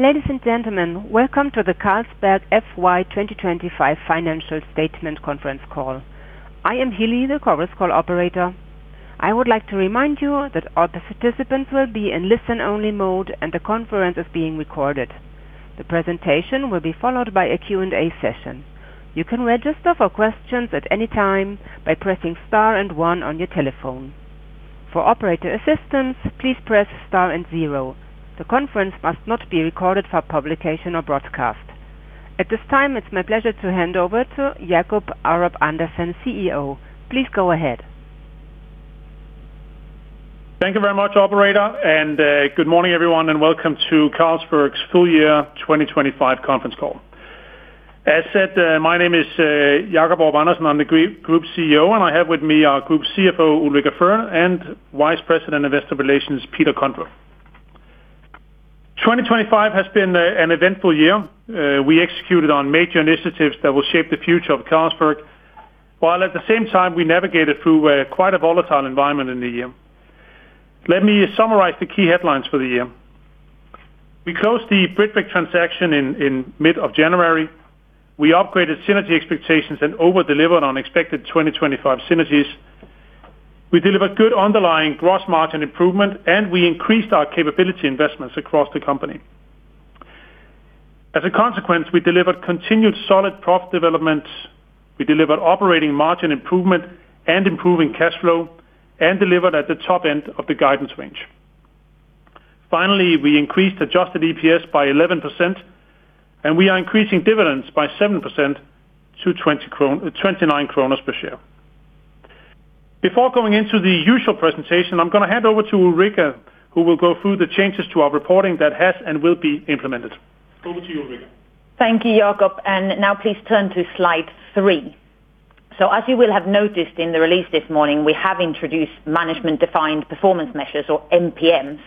Ladies and gentlemen, welcome to the Carlsberg FY 2025 financial statement conference call. I am Heli, the conference call operator. I would like to remind you that all the participants will be in listen-only mode, and the conference is being recorded. The presentation will be followed by a Q&A session. You can register for questions at any time by pressing star and one on your telephone. For operator assistance, please press star and zero. The conference must not be recorded for publication or broadcast. At this time, it's my pleasure to hand over to Jacob Aarup-Andersen, CEO. Please go ahead. Thank you very much, operator, and good morning, everyone, and welcome to Carlsberg's full year 2025 conference call. As said, my name is Jacob Aarup-Andersen. I'm the Group CEO, and I have with me our Group CFO, Ulrica Fearn, and Vice President, Investor Relations, Peter Kondrup. 2025 has been an eventful year. We executed on major initiatives that will shape the future of Carlsberg, while at the same time we navigated through quite a volatile environment in the year. Let me summarize the key headlines for the year. We closed the Britvic transaction in mid of January. We upgraded synergy expectations and over-delivered on expected 2025 synergies. We delivered good underlying gross margin improvement, and we increased our capability investments across the company. As a consequence, we delivered continued solid profit development. We delivered operating margin improvement and improving cash flow and delivered at the top end of the guidance range. Finally, we increased adjusted EPS by 11%, and we are increasing dividends by 7% to 29 kroner per share. Before going into the usual presentation, I'm going to hand over to Ulrica, who will go through the changes to our reporting that has and will be implemented. Over to you, Ulrica. Thank you, Jacob, and now please turn to slide three. As you will have noticed in the release this morning, we have introduced management-defined performance measures, or MPMs,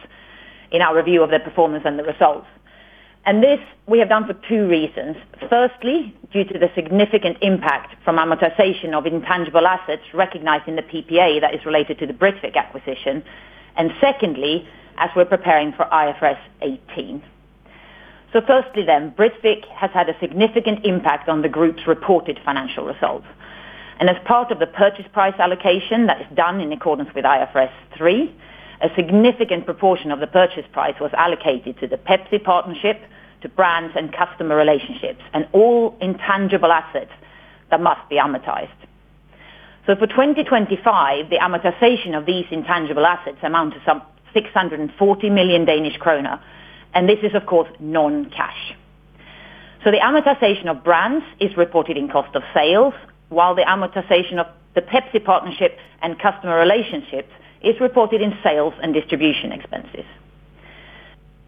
in our review of the performance and the results. This we have done for two reasons. Firstly, due to the significant impact from amortization of intangible assets, recognizing the PPA that is related to the Britvic acquisition, and secondly, as we're preparing for IFRS 18. Firstly, then, Britvic has had a significant impact on the group's reported financial results. And as part of the purchase price allocation that is done in accordance with IFRS 3, a significant proportion of the purchase price was allocated to the Pepsi partnership, to brands and customer relationships, and all intangible assets that must be amortized. So for 2025, the amortization of these intangible assets amount to some 640 million Danish kroner, and this is, of course, non-cash. So the amortization of brands is reported in cost of sales, while the amortization of the Pepsi partnership and customer relationships is reported in sales and distribution expenses.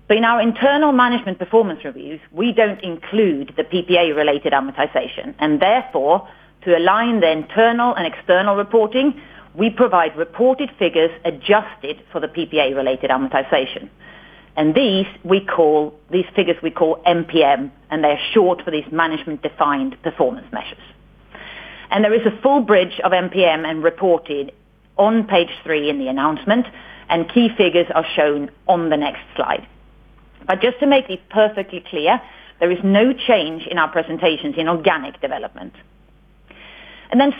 But in our internal management performance reviews, we don't include the PPA-related amortization, and therefore, to align the internal and external reporting, we provide reported figures adjusted for the PPA-related amortization. And these figures we call MPM, and they are short for these management-defined performance measures. And there is a full bridge of MPM and reported on page three in the announcement, and key figures are shown on the next slide. But just to make this perfectly clear, there is no change in our presentations in organic development.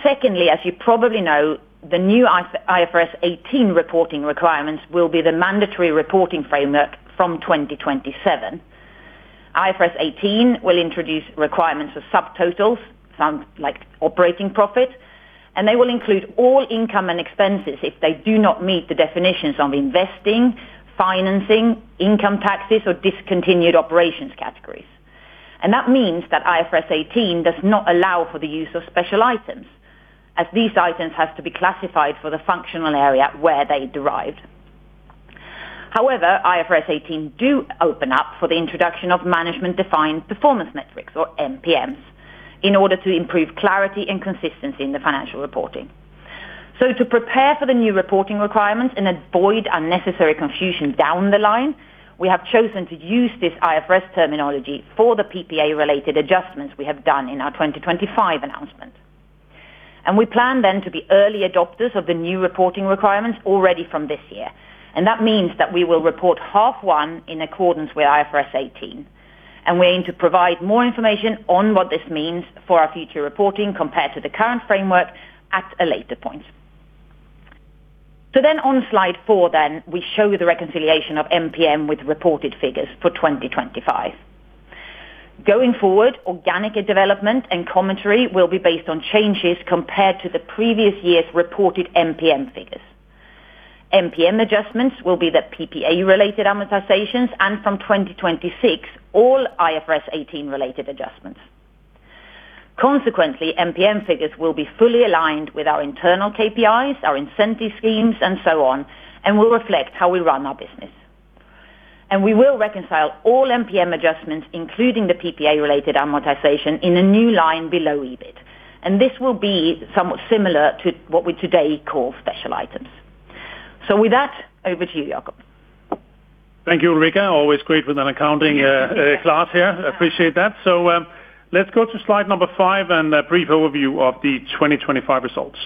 Secondly, as you probably know, the new IFRS 18 reporting requirements will be the mandatory reporting framework from 2027. IFRS 18 will introduce requirements for subtotals, such as operating profit, and they will include all income and expenses if they do not meet the definitions on investing, financing, income taxes, or discontinued operations categories. And that means that IFRS 18 does not allow for the use of special items, as these items has to be classified for the functional area where they derived. However, IFRS 18 do open up for the introduction of management-defined performance metrics, or MPMs, in order to improve clarity and consistency in the financial reporting. So to prepare for the new reporting requirements and avoid unnecessary confusion down the line, we have chosen to use this IFRS terminology for the PPA-related adjustments we have done in our 2025 announcement. We plan then to be early adopters of the new reporting requirements already from this year. That means that we will report H1 in accordance with IFRS 18, and we aim to provide more information on what this means for our future reporting compared to the current framework at a later point. So then on slide four, then, we show the reconciliation of MPM with reported figures for 2025. Going forward, organic development and commentary will be based on changes compared to the previous year's reported MPM figures. MPM adjustments will be the PPA-related amortizations and from 2026, all IFRS 18-related adjustments. Consequently, MPM figures will be fully aligned with our internal KPIs, our incentive schemes, and so on, and will reflect how we run our business. We will reconcile all MPM adjustments, including the PPA-related amortization, in a new line below EBIT. And this will be somewhat similar to what we today call special items. So with that, over to you, Jacob. Thank you, Ulrica. Always great with an accounting class here. Appreciate that. So, let's go to slide number five and a brief overview of the 2025 results.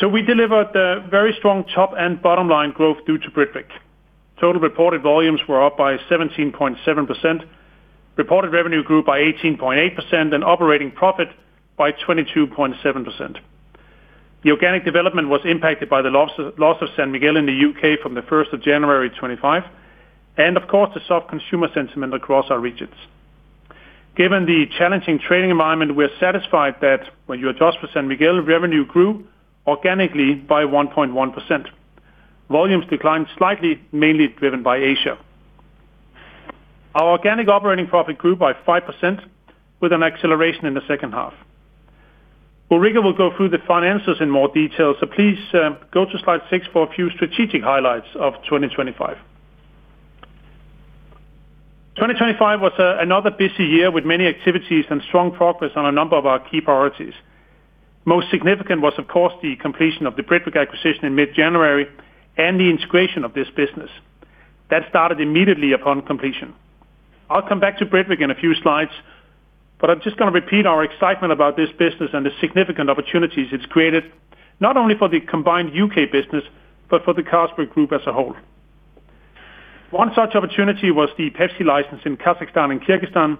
So we delivered a very strong top and bottom-line growth due to Britvic. Total reported volumes were up by 17.7%. Reported revenue grew by 18.8%, and operating profit by 22.7%. The organic development was impacted by the loss of San Miguel in the U.K. from the first of January 2025, and of course, the soft consumer sentiment across our regions. Given the challenging trading environment, we're satisfied that when you adjust for San Miguel, revenue grew organically by 1.1%. Volumes declined slightly, mainly driven by Asia. Our organic operating profit grew by 5%, with an acceleration in the second half. Ulrica will go through the finances in more detail, so please go to slide six for a few strategic highlights of 2025. 2025 was another busy year with many activities and strong progress on a number of our key priorities. Most significant was, of course, the completion of the Britvic acquisition in mid-January and the integration of this business. That started immediately upon completion. I'll come back to Britvic in a few slides, but I'm just gonna repeat our excitement about this business and the significant opportunities it's created, not only for the combined U.K. business, but for the Carlsberg Group as a whole. One such opportunity was the Pepsi license in Kazakhstan and Kyrgyzstan.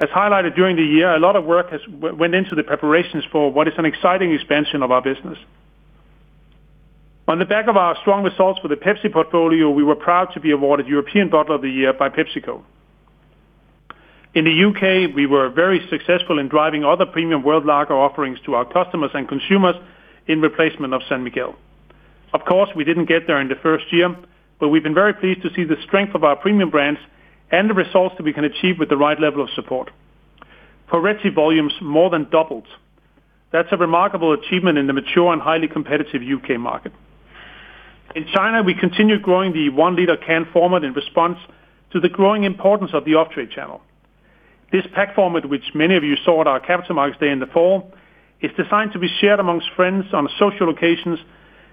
As highlighted during the year, a lot of work has went into the preparations for what is an exciting expansion of our business. On the back of our strong results for the Pepsi portfolio, we were proud to be awarded European Bottler of the Year by PepsiCo. In the U.K., we were very successful in driving other premium world lager offerings to our customers and consumers in replacement of San Miguel. Of course, we didn't get there in the first year, but we've been very pleased to see the strength of our premium brands and the results that we can achieve with the right level of support. Poretti volumes more than doubled. That's a remarkable achievement in the mature and highly competitive U.K. market. In China, we continued growing the one-liter can format in response to the growing importance of the off-trade channel. This pack format, which many of you saw at our Capital Markets Day in the fall, is designed to be shared among friends on social occasions,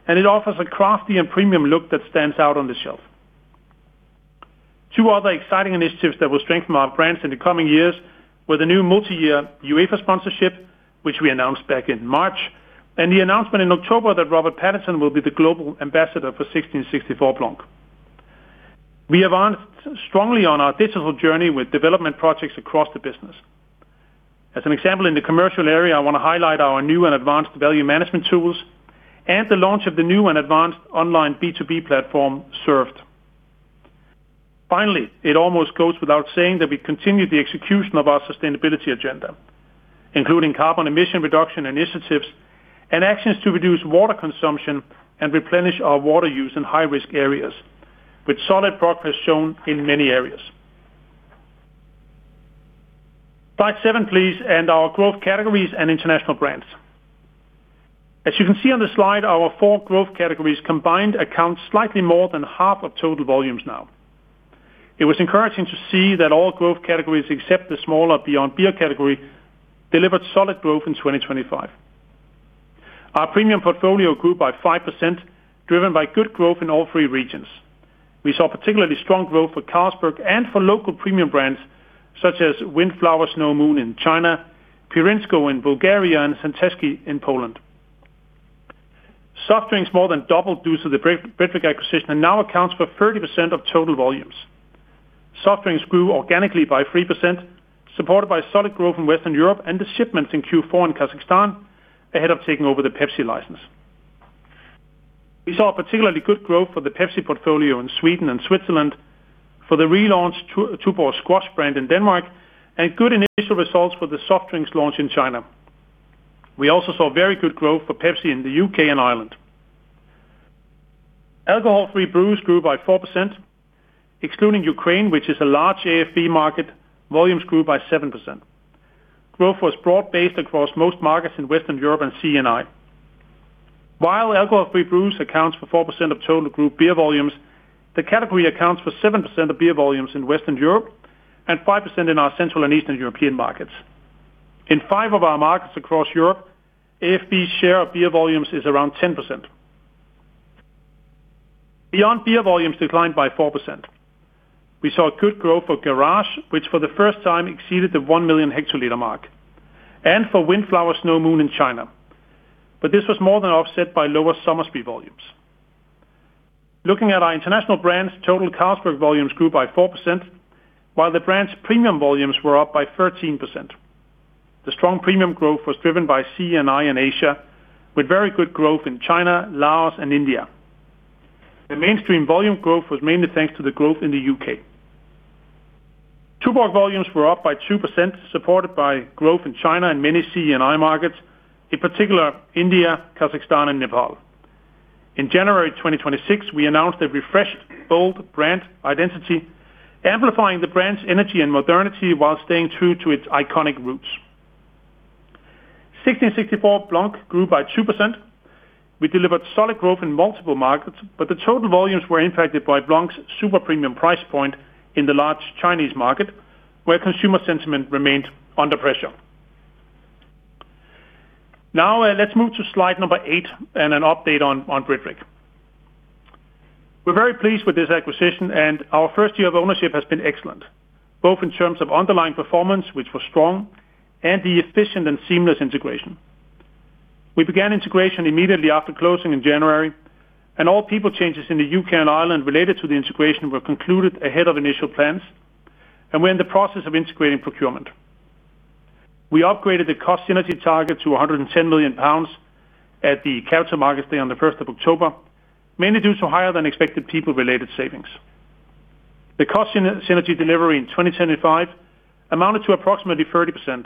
and it offers a crafty and premium look that stands out on the shelf. Two other exciting initiatives that will strengthen our brands in the coming years were the new multi-year UEFA sponsorship, which we announced back in March, and the announcement in October that Robert Pattinson will be the global ambassador for 1664 Blanc. We advanced strongly on our digital journey with development projects across the business. As an example, in the commercial area, I want to highlight our new and advanced value management tools and the launch of the new and advanced online B2B platform, [Serve]. Finally, it almost goes without saying that we continued the execution of our sustainability agenda, including carbon emission reduction initiatives and actions to reduce water consumption and replenish our water use in high-risk areas, with solid progress shown in many areas. Slide seven, please, and our growth categories and international brands. As you can see on the slide, our four growth categories combined account slightly more than half of total volumes now. It was encouraging to see that all growth categories, except the smaller Beyond Beer category, delivered solid growth in 2025. Our premium portfolio grew by 5%, driven by good growth in all three regions. We saw particularly strong growth for Carlsberg and for local premium brands, such as Wind Flower Snow Moon in China, Pirinsko in Bulgaria, and Žatecký in Poland. Soft drinks more than doubled due to the Britvic acquisition and now accounts for 30% of total volumes. Soft drinks grew organically by 3%, supported by solid growth in Western Europe and the shipments in Q4 in Kazakhstan, ahead of taking over the Pepsi license. We saw a particularly good growth for the Pepsi portfolio in Sweden and Switzerland for the relaunched Tuborg Squash brand in Denmark, and good initial results for the soft drinks launch in China. We also saw very good growth for Pepsi in the U.K. and Ireland. Alcohol-free brews grew by 4%, excluding Ukraine, which is a large AFB market, volumes grew by 7%. Growth was broad-based across most markets in Western Europe and C&I. While Alcohol-Free Brews accounts for 4% of total group beer volumes, the category accounts for 7% of beer volumes in Western Europe and 5% in our Central and Eastern European markets. In five of our markets across Europe, AFB's share of beer volumes is around 10%. Beyond Beer volumes declined by 4%. We saw a good growth for Garage, which for the first time, exceeded the 1 million hectoliter mark, and for Wind Flower Snow Moon in China. But this was more than offset by lower Somersby volumes. Looking at our international brands, total Carlsberg volumes grew by 4%, while the brand's premium volumes were up by 13%. The strong premium growth was driven by C&I in Asia, with very good growth in China, Laos, and India. The mainstream volume growth was mainly thanks to the growth in the U.K. Tuborg volumes were up by 2%, supported by growth in China and many C&I markets, in particular, India, Kazakhstan, and Nepal. In January 2026, we announced a refreshed, bold brand identity, amplifying the brand's energy and modernity while staying true to its iconic roots. 1664 Blanc grew by 2%. We delivered solid growth in multiple markets, but the total volumes were impacted by Blanc's super premium price point in the large Chinese market, where consumer sentiment remained under pressure. Now, let's move to slide number eight and an update on Britvic. We're very pleased with this acquisition, and our first year of ownership has been excellent, both in terms of underlying performance, which was strong, and the efficient and seamless integration. We began integration immediately after closing in January, and all people changes in the U.K. and Ireland related to the integration were concluded ahead of initial plans, and we're in the process of integrating procurement. We upgraded the cost synergy target to 110 million pounds at the Capital Markets Day on the first of October, mainly due to higher-than-expected people-related savings. The cost synergy delivery in 2025 amounted to approximately 30%.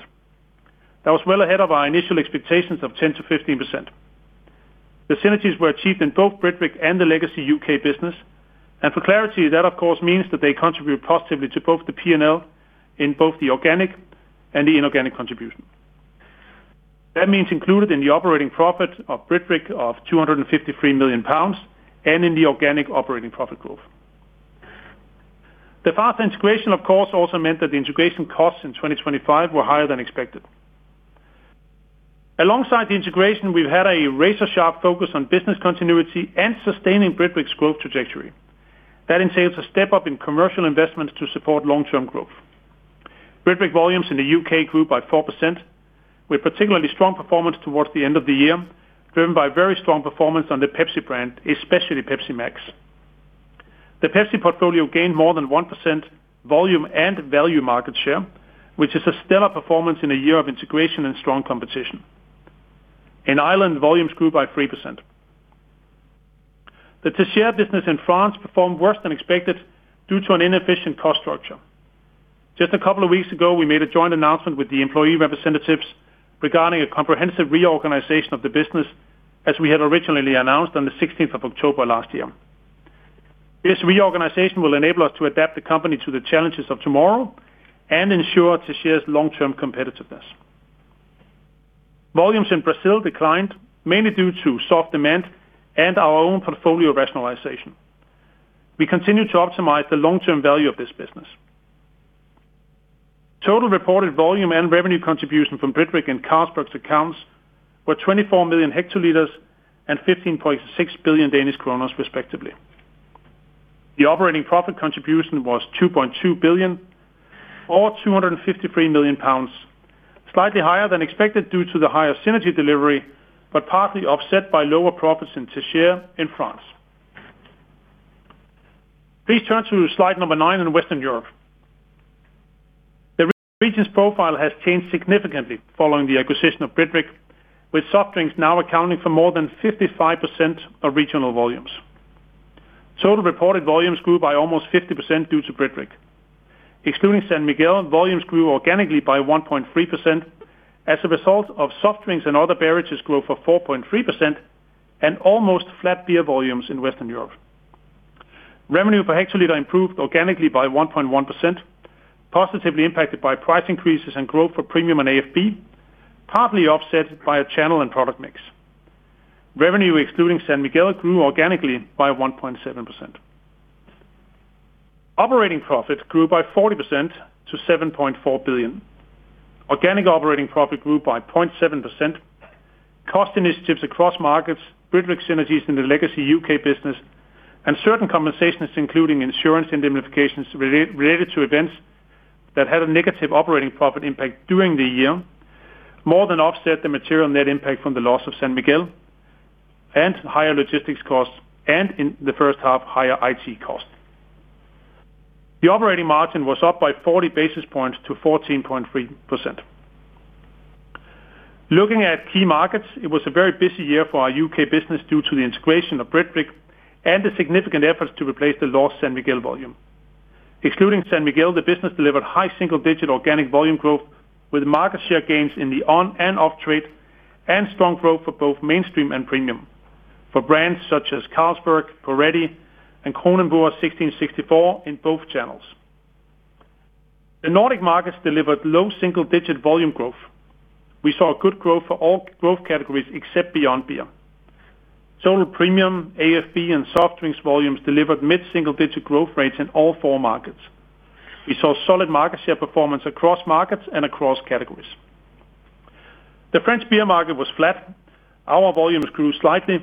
That was well ahead of our initial expectations of 10%-15%. The synergies were achieved in both Britvic and the legacy U.K. business, and for clarity, that of course, means that they contribute positively to both the P&L in both the organic and the inorganic contribution. That means included in the operating profit of Britvic of 253 million pounds and in the organic operating profit growth. The fast integration, of course, also meant that the integration costs in 2025 were higher than expected. Alongside the integration, we've had a razor-sharp focus on business continuity and sustaining Britvic's growth trajectory. That entails a step up in commercial investments to support long-term growth. Britvic volumes in the U.K. grew by 4%, with particularly strong performance towards the end of the year, driven by very strong performance on the Pepsi brand, especially Pepsi MAX. The Pepsi portfolio gained more than 1% volume and value market share, which is a stellar performance in a year of integration and strong competition. In Ireland, volumes grew by 3%. The Teisseire business in France performed worse than expected due to an inefficient cost structure. Just a couple of weeks ago, we made a joint announcement with the employee representatives regarding a comprehensive reorganization of the business, as we had originally announced on the 16th of October last year. This reorganization will enable us to adapt the company to the challenges of tomorrow and ensure Teisseire's long-term competitiveness. Volumes in Brazil declined, mainly due to soft demand and our own portfolio rationalization. We continue to optimize the long-term value of this business. Total reported volume and revenue contribution from Britvic in Carlsberg's accounts were 24 million hectoliters and 15.6 billion Danish kroner, respectively. The operating profit contribution was 2.2 billion or 253 million pounds, slightly higher than expected due to the higher synergy delivery, but partly offset by lower profits in Teisseire in France. Please turn to slide number nine in Western Europe. The region's profile has changed significantly following the acquisition of Britvic, with soft drinks now accounting for more than 55% of regional volumes. Total reported volumes grew by almost 50% due to Britvic. Excluding San Miguel, volumes grew organically by 1.3% as a result of soft drinks and other beverages growth of 4.3% and almost flat beer volumes in Western Europe. Revenue per hectoliter improved organically by 1.1%, positively impacted by price increases and growth for premium and AFB, partly offset by a channel and product mix. Revenue, excluding San Miguel, grew organically by 1.7%. Operating profit grew by 40% to 7.4 billion. Organic operating profit grew by 0.7%. Cost initiatives across markets, Britvic synergies in the legacy U.K. business, and certain compensations, including insurance indemnifications re-related to events that had a negative operating profit impact during the year, more than offset the material net impact from the loss of San Miguel and higher logistics costs, and in the first half, higher IT costs. The operating margin was up by 40 basis points to 14.3%. Looking at key markets, it was a very busy year for our U.K. business due to the integration of Britvic and the significant efforts to replace the lost San Miguel volume. Excluding San Miguel, the business delivered high single-digit organic volume growth, with market share gains in the on and off-trade, and strong growth for both mainstream and premium for brands such as Carlsberg, Poretti, and Kronenbourg 1664 in both channels. The Nordic markets delivered low single-digit volume growth. We saw a good growth for all growth categories except Beyond Beer. Total premium, AFB, and soft drinks volumes delivered mid-single-digit growth rates in all four markets. We saw solid market share performance across markets and across categories. The French beer market was flat. Our volumes grew slightly,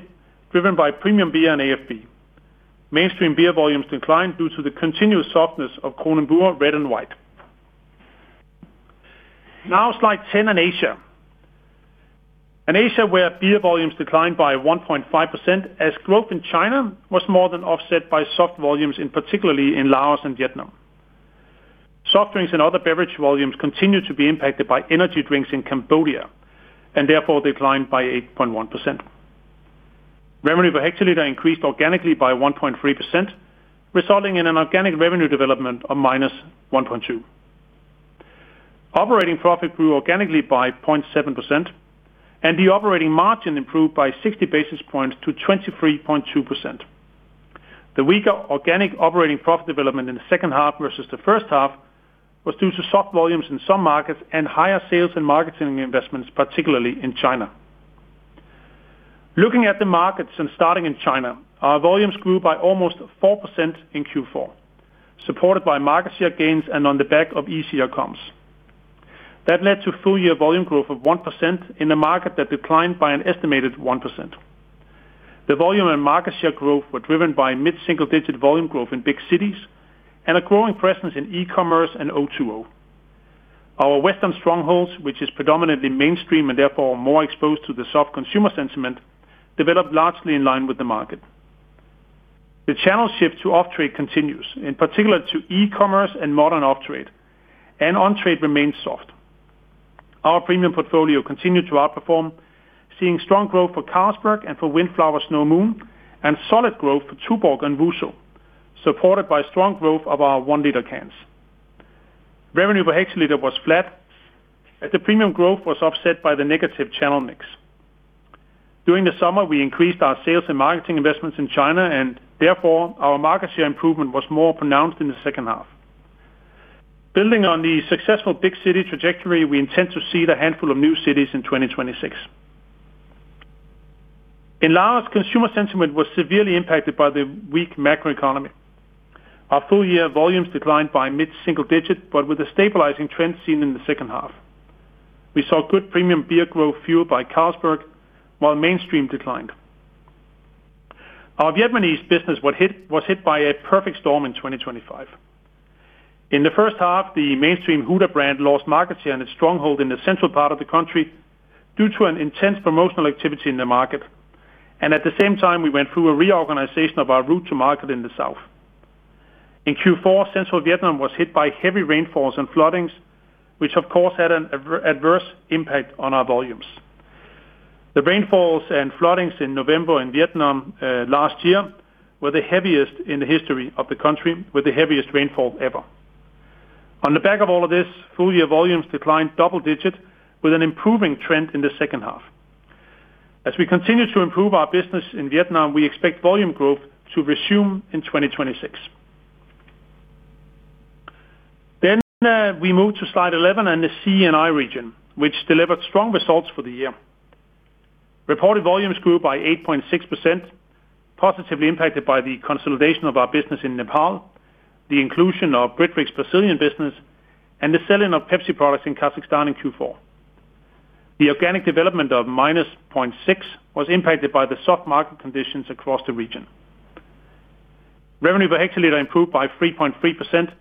driven by premium beer and AFB. Mainstream beer volumes declined due to the continuous softness of Kronenbourg red and white. Now, slide 10 on Asia. In Asia, where beer volumes declined by 1.5% as growth in China was more than offset by soft volumes, in particular in Laos and Vietnam. Soft drinks and other beverage volumes continued to be impacted by energy drinks in Cambodia and therefore declined by 8.1%. Revenue per hectoliter increased organically by 1.3%, resulting in an organic revenue development of -1.2%. Operating profit grew organically by 0.7%, and the operating margin improved by 60 basis points to 23.2%. The weaker organic operating profit development in the second half versus the first half was due to soft volumes in some markets and higher sales and marketing investments, particularly in China. Looking at the markets and starting in China, our volumes grew by almost 4% in Q4, supported by market share gains and on the back of easier comps. That led to full-year volume growth of 1% in a market that declined by an estimated 1%. The volume and market share growth were driven by mid-single-digit volume growth in big cities and a growing presence in e-commerce and O2O. Our Western strongholds, which is predominantly mainstream and therefore more exposed to the soft consumer sentiment, developed largely in line with the market. The channel shift to off-trade continues, in particular to e-commerce and modern off-trade, and on-trade remains soft. Our premium portfolio continued to outperform, seeing strong growth for Carlsberg and for Wind Flower Snow Moon, and solid growth for Tuborg and Wusu, supported by strong growth of our one-liter cans. Revenue per hectoliter was flat, as the premium growth was offset by the negative channel mix. During the summer, we increased our sales and marketing investments in China, and therefore, our market share improvement was more pronounced in the second half. Building on the successful big city trajectory, we intend to see the handful of new cities in 2026. In Laos, consumer sentiment was severely impacted by the weak macroeconomy. Our full-year volumes declined by mid-single-digit, but with a stabilizing trend seen in the second half. We saw good premium beer growth fueled by Carlsberg, while mainstream declined. Our Vietnamese business was hit by a perfect storm in 2025. In the first half, the mainstream Huda brand lost market share and its stronghold in the central part of the country due to an intense promotional activity in the market, and at the same time, we went through a reorganization of our route to market in the south. In Q4, Central Vietnam was hit by heavy rainfalls and floodings, which, of course, had an adverse impact on our volumes. The rainfalls and floodings in November in Vietnam last year were the heaviest in the history of the country, with the heaviest rainfall ever. On the back of all of this, full-year volumes declined double-digit, with an improving trend in the second half. As we continue to improve our business in Vietnam, we expect volume growth to resume in 2026. Then, we move to slide 11 and the C&I region, which delivered strong results for the year. Reported volumes grew by 8.6%, positively impacted by the consolidation of our business in Nepal, the inclusion of Britvic's Brazilian business, and the selling of Pepsi products in Kazakhstan in Q4. The organic development of -0.6% was impacted by the soft market conditions across the region. Revenue per hectoliter improved by 3.3%,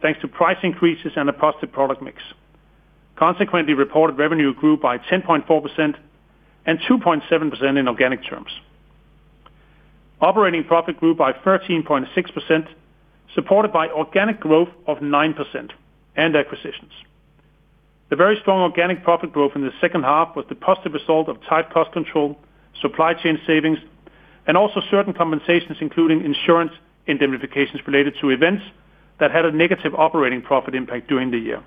thanks to price increases and a positive product mix. Consequently, reported revenue grew by 10.4% and 2.7% in organic terms. Operating profit grew by 13.6%, supported by organic growth of 9% and acquisitions. The very strong organic profit growth in the second half was the positive result of tight cost control, supply chain savings, and also certain compensations, including insurance indemnifications related to events that had a negative operating profit impact during the year.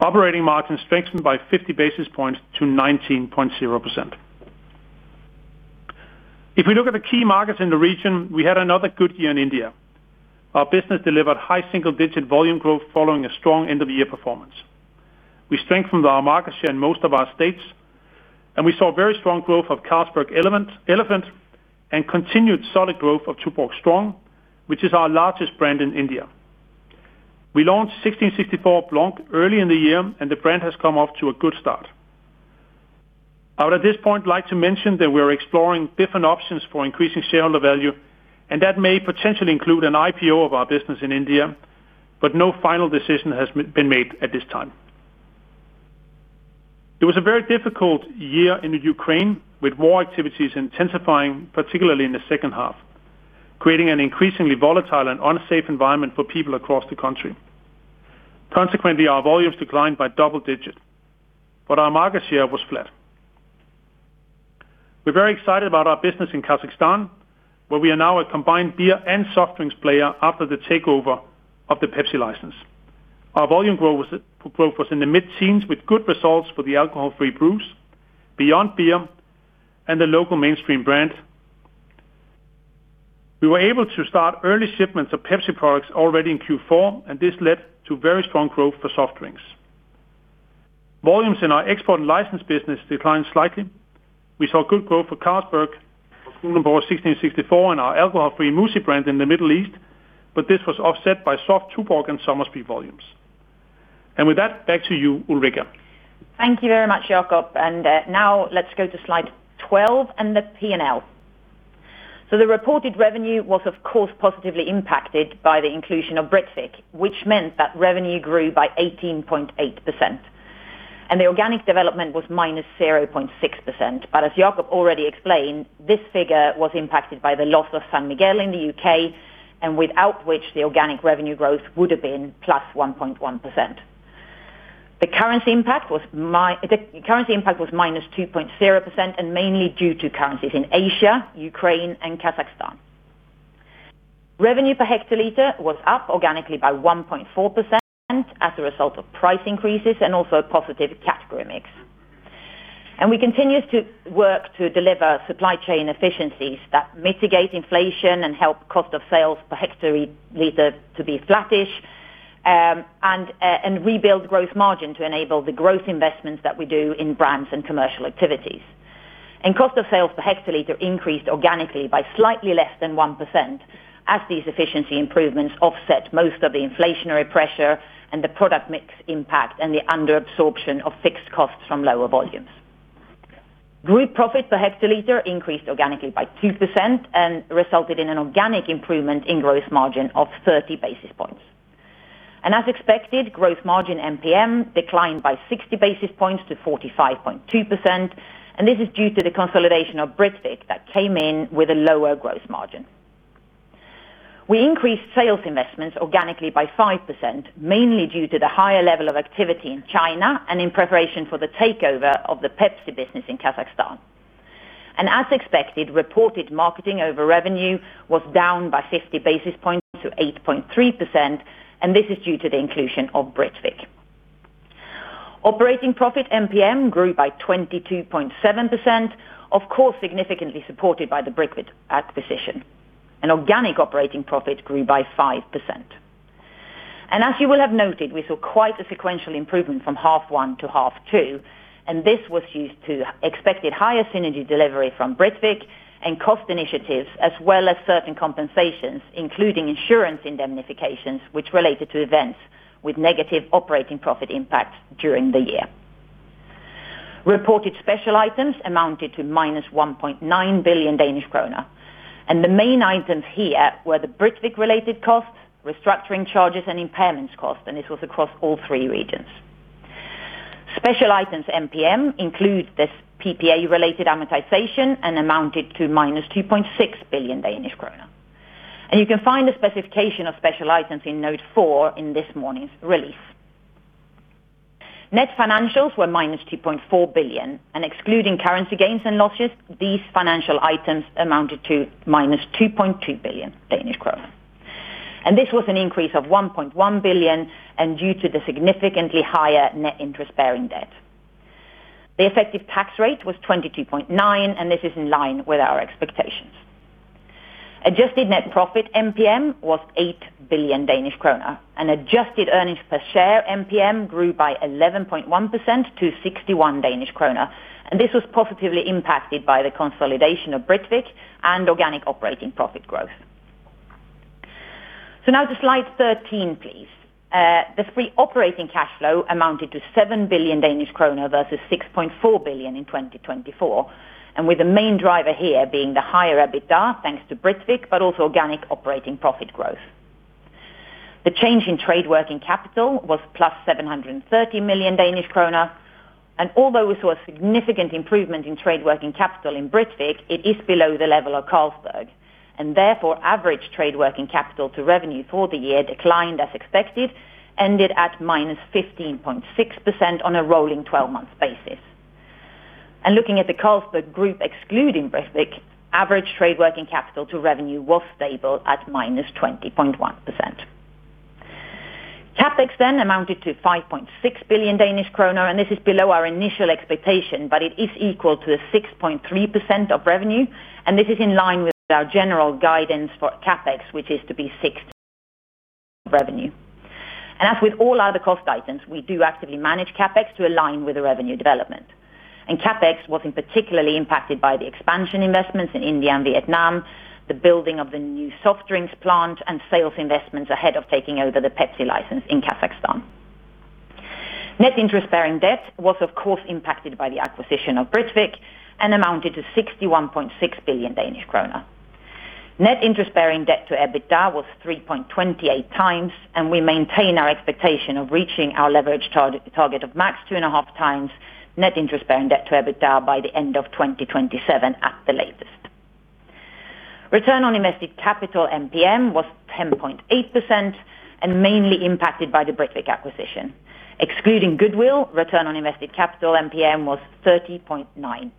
Operating margins strengthened by 50 basis points to 19.0%. If we look at the key markets in the region, we had another good year in India. Our business delivered high single-digit volume growth following a strong end-of-year performance. We strengthened our market share in most of our states, and we saw very strong growth of Carlsberg Elephant and continued solid growth of Tuborg Strong, which is our largest brand in India. We launched 1664 Blanc early in the year, and the brand has come off to a good start. I would, at this point, like to mention that we are exploring different options for increasing shareholder value, and that may potentially include an IPO of our business in India, but no final decision has been made at this time. It was a very difficult year in Ukraine, with war activities intensifying, particularly in the second half, creating an increasingly volatile and unsafe environment for people across the country. Consequently, our volumes declined by double-digit, but our market share was flat. We're very excited about our business in Kazakhstan, where we are now a combined beer and soft drinks player after the takeover of the Pepsi license. Our volume growth was in the mid-teens, with good results for the alcohol-free brews, Beyond Beer, and the local mainstream brand. We were able to start early shipments of Pepsi products already in Q4, and this led to very strong growth for soft drinks. Volumes in our export and license business declined slightly. We saw good growth for Carlsberg, for Kronenbourg 1664, and our alcohol-free Moussy brand in the Middle East, but this was offset by soft Tuborg and Somersby volumes. With that, back to you, Ulrica. Thank you very much, Jacob, and now let's go to slide 12 and the P&L. So the reported revenue was, of course, positively impacted by the inclusion of Britvic, which meant that revenue grew by 18.8%, and the organic development was -0.6%. But as Jacob already explained, this figure was impacted by the loss of San Miguel in the U.K., and without which, the organic revenue growth would have been +1.1%. The currency impact was -2.0%, and mainly due to currencies in Asia, Ukraine, and Kazakhstan. Revenue per hectoliter was up organically by 1.4% as a result of price increases and also a positive category mix. We continue to work to deliver supply chain efficiencies that mitigate inflation and help cost of sales per hectoliter to be flattish and rebuild gross margin to enable the growth investments that we do in brands and commercial activities. Cost of sales per hectoliter increased organically by slightly less than 1%, as these efficiency improvements offset most of the inflationary pressure and the product mix impact and the under absorption of fixed costs from lower volumes. Group profit per hectoliter increased organically by 2% and resulted in an organic improvement in gross margin of 30 basis points. As expected, gross margin MPM declined by 60 basis points to 45.2%, and this is due to the consolidation of Britvic that came in with a lower gross margin. We increased sales investments organically by 5%, mainly due to the higher level of activity in China and in preparation for the takeover of the Pepsi business in Kazakhstan. And as expected, reported marketing over revenue was down by 50 basis points to 8.3%, and this is due to the inclusion of Britvic. Operating profit MPM grew by 22.7%, of course, significantly supported by the Britvic acquisition, and organic operating profit grew by 5%. And as you will have noted, we saw quite a sequential improvement from half one to half two, and this was due to expected higher synergy delivery from Britvic and cost initiatives, as well as certain compensations, including insurance indemnifications, which related to events with negative operating profit impact during the year. Reported special items amounted to -1.9 billion Danish kroner, and the main items here were the Britvic-related costs, restructuring charges, and impairments costs, and this was across all three regions. Special items MPM includes this PPA-related amortization and amounted to -2.6 billion Danish kroner. You can find a specification of special items in note four in this morning's release. Net financials were -2.4 billion, and excluding currency gains and losses, these financial items amounted to -2.2 billion Danish kroner. This was an increase of 1.1 billion, and due to the significantly higher net interest-bearing debt. The effective tax rate was 22.9%, and this is in line with our expectations. Adjusted net profit MPM was 8 billion Danish krone, and adjusted earnings per share MPM grew by 11.1% to 61 Danish krone, and this was positively impacted by the consolidation of Britvic and organic operating profit growth. So now to slide 13, please. The free operating cash flow amounted to 7 billion Danish kroner versus 6.4 billion in 2024, and with the main driver here being the higher EBITDA, thanks to Britvic, but also organic operating profit growth. The change in trade working capital was +730 million Danish kroner, and although we saw a significant improvement in trade working capital in Britvic, it is below the level of Carlsberg, and therefore, average trade working capital to revenue for the year declined as expected, ended at -15.6% on a rolling twelve-month basis. Looking at the Carlsberg Group, excluding Britvic, average trade working capital to revenue was stable at -20.1%. CapEx then amounted to 5.6 billion Danish kroner, and this is below our initial expectation, but it is equal to the 6.3% of revenue, and this is in line with our general guidance for CapEx, which is to be 6% of revenue. As with all other cost items, we do actively manage CapEx to align with the revenue development. CapEx was particularly impacted by the expansion investments in India and Vietnam, the building of the new soft drinks plant, and sales investments ahead of taking over the Pepsi license in Kazakhstan. Net interest-bearing debt was, of course, impacted by the acquisition of Britvic and amounted to 61.6 billion Danish kroner. Net interest-bearing debt to EBITDA was 3.28x, and we maintain our expectation of reaching our leverage target, target of max 2.5x net interest-bearing debt to EBITDA by the end of 2027 at the latest. Return on invested capital MPM was 10.8% and mainly impacted by the Britvic acquisition. Excluding goodwill, return on invested capital MPM was 30.9%.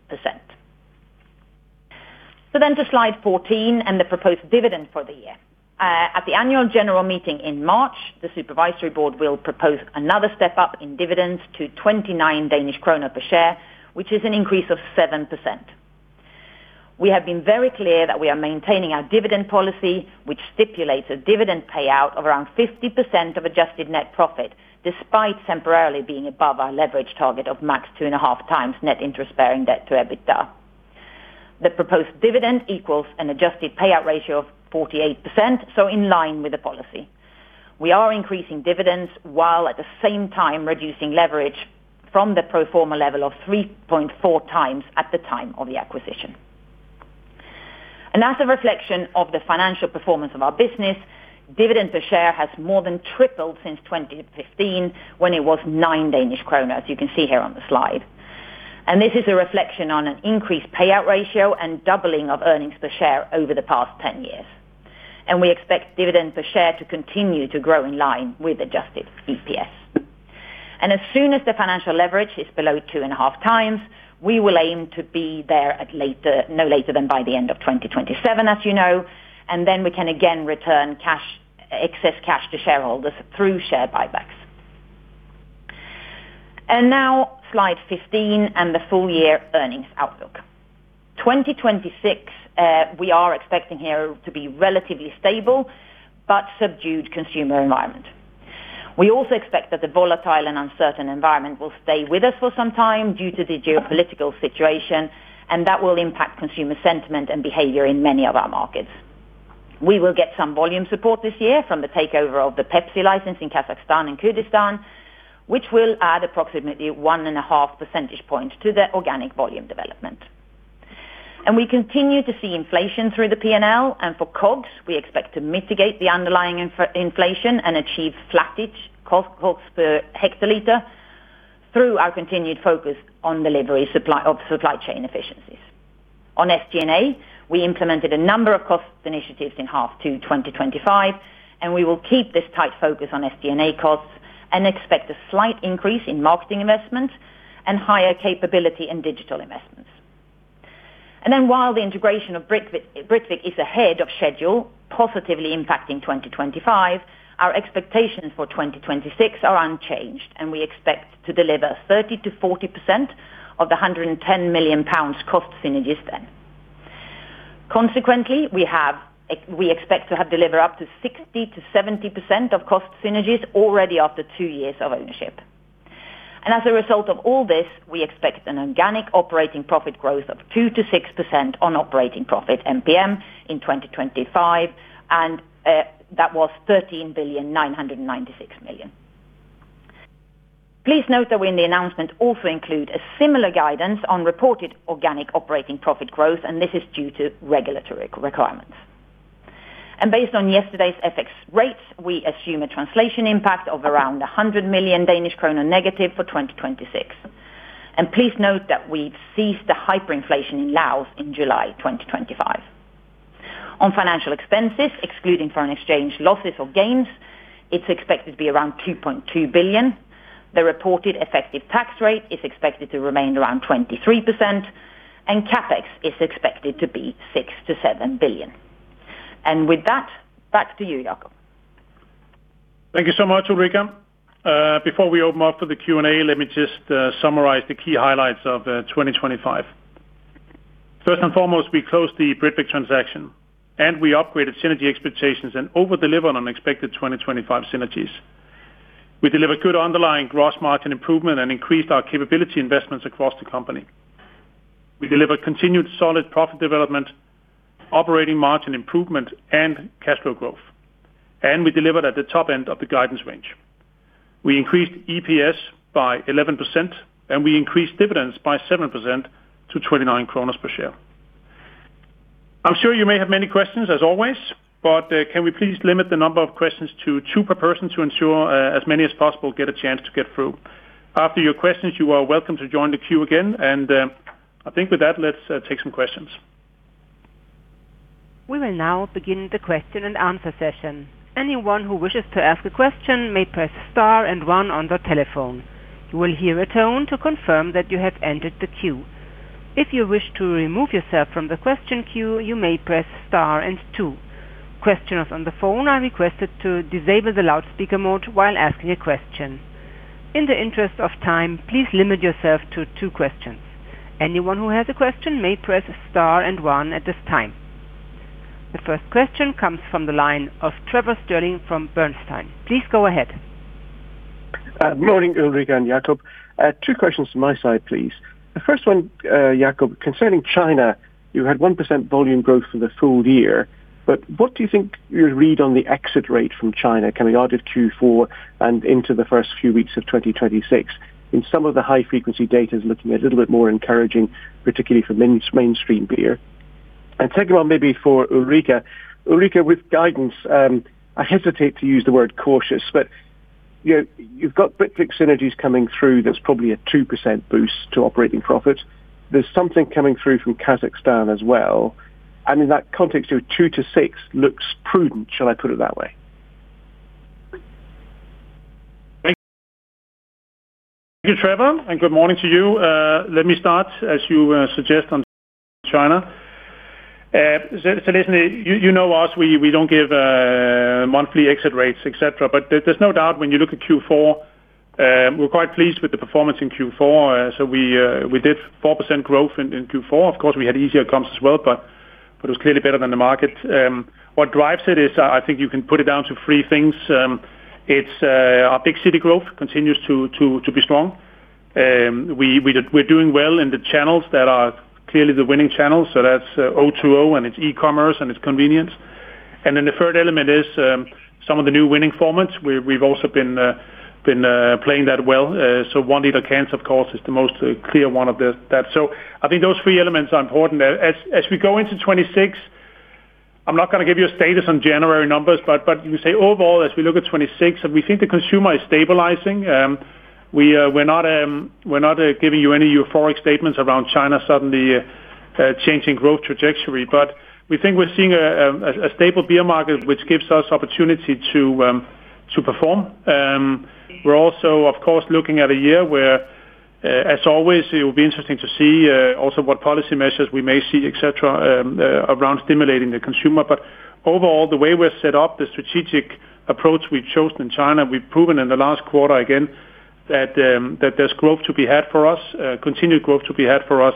To slide 14 and the proposed dividend for the year. At the annual general meeting in March, the supervisory board will propose another step up in dividends to 29 Danish kroner per share, which is an increase of 7%. We have been very clear that we are maintaining our dividend policy, which stipulates a dividend payout of around 50% of adjusted net profit, despite temporarily being above our leverage target of max 2.5x net interest-bearing debt to EBITDA. The proposed dividend equals an adjusted payout ratio of 48%, so in line with the policy. We are increasing dividends while at the same time reducing leverage from the pro forma level of 3.4x at the time of the acquisition. As a reflection of the financial performance of our business, dividend per share has more than tripled since 2015, when it was 9 Danish kroner, as you can see here on the slide. This is a reflection on an increased payout ratio and doubling of earnings per share over the past 10 years. And we expect dividends per share to continue to grow in line with adjusted EPS. And as soon as the financial leverage is below 2.5x, we will aim to be there no later than by the end of 2027, as you know, and then we can again return cash, excess cash to shareholders through share buybacks. And now slide 15 and the full year earnings outlook. 2026, we are expecting here to be relatively stable but subdued consumer environment. We also expect that the volatile and uncertain environment will stay with us for some time due to the geopolitical situation, and that will impact consumer sentiment and behavior in many of our markets. We will get some volume support this year from the takeover of the Pepsi license in Kazakhstan and Kyrgyzstan, which will add approximately 1.5 percentage points to the organic volume development. We continue to see inflation through the P&L, and for COGS, we expect to mitigate the underlying inflation and achieve flat COGS costs per hectoliter, through our continued focus on delivery of supply chain efficiencies. On SG&A, we implemented a number of cost initiatives in H2 2025, and we will keep this tight focus on SG&A costs and expect a slight increase in marketing investments and higher capability in digital investments. While the integration of Britvic is ahead of schedule, positively impacting 2025, our expectations for 2026 are unchanged, and we expect to deliver 30%-40% of the 110 million pounds cost synergies then. Consequently, we expect to have deliver up to 60%-70% of cost synergies already after two years of ownership. As a result of all this, we expect an organic operating profit growth of 2%-6% on operating profit MPM in 2025, and that was 13.996 billion. Please note that we, in the announcement, also include a similar guidance on reported organic operating profit growth, and this is due to regulatory requirements. Based on yesterday's FX rates, we assume a translation impact of around 100 million Danish kroner negative for 2026. Please note that we've ceased the hyperinflation in Laos in July 2025. On financial expenses, excluding foreign exchange losses or gains, it's expected to be around 2.2 billion. The reported effective tax rate is expected to remain around 23%, and CapEx is expected to be 6 billion-7 billion. With that, back to you, Jacob. Thank you so much, Ulrica. Before we open up for the Q&A, let me just summarize the key highlights of 2025. First and foremost, we closed the Britvic transaction, and we upgraded synergy expectations and over-delivered on unexpected 2025 synergies. We delivered good underlying gross margin improvement and increased our capability investments across the company. We delivered continued solid profit development, operating margin improvement, and cash flow growth, and we delivered at the top end of the guidance range. We increased EPS by 11%, and we increased dividends by 7% to 29 per share. I'm sure you may have many questions as always, but can we please limit the number of questions to two per person to ensure as many as possible get a chance to get through? After your questions, you are welcome to join the queue again, and I think with that, let's take some questions. We will now begin the question-and-answer session. Anyone who wishes to ask a question may press star and one on their telephone. You will hear a tone to confirm that you have entered the queue. If you wish to remove yourself from the question queue, you may press star and two. Questioners on the phone are requested to disable the loudspeaker mode while asking a question. In the interest of time, please limit yourself to two questions. Anyone who has a question may press star and one at this time. The first question comes from the line of Trevor Stirling from Bernstein. Please go ahead. Morning, Ulrica and Jacob. Two questions from my side, please. The first one, Jacob, concerning China, you had 1% volume growth for the full year, but what do you think you read on the exit rate from China coming out of Q4 and into the first few weeks of 2026? In some of the high-frequency data is looking a little bit more encouraging, particularly for mainstream beer. Second one, maybe for Ulrica. Ulrica, with guidance, I hesitate to use the word cautious, but, you know, you've got Britvic synergies coming through. That's probably a 2% boost to operating profit. There's something coming through from Kazakhstan as well, and in that context, your 2%-6% looks prudent. Shall I put it that way? Thank you, Trevor, and good morning to you. Let me start, as you suggest, on China. So listen, you know us, we don't give monthly exit rates, et cetera, but there's no doubt when you look at Q4, we're quite pleased with the performance in Q4. So we did 4% growth in Q4. Of course, we had easier comps as well, but it was clearly better than the market. What drives it is, I think you can put it down to three things. It's our big city growth continues to be strong. We're doing well in the channels that are clearly the winning channels, so that's O2O, and it's e-commerce, and it's convenience. And then the third element is some of the new winning formats. We've also been playing that well. So one liter cans, of course, is the most clear one of those. So I think those three elements are important. As we go into 2026, I'm not gonna give you a status on January numbers, but you can say overall, as we look at 2026, and we think the consumer is stabilizing, we're not giving you any euphoric statements around China suddenly changing growth trajectory, but we think we're seeing a stable beer market, which gives us opportunity to perform. We're also, of course, looking at a year where, as always, it will be interesting to see also what policy measures we may see, et cetera, around stimulating the consumer. But overall, the way we're set up, the strategic approach we've chosen in China, we've proven in the last quarter, again, that there's growth to be had for us, continued growth to be had for us.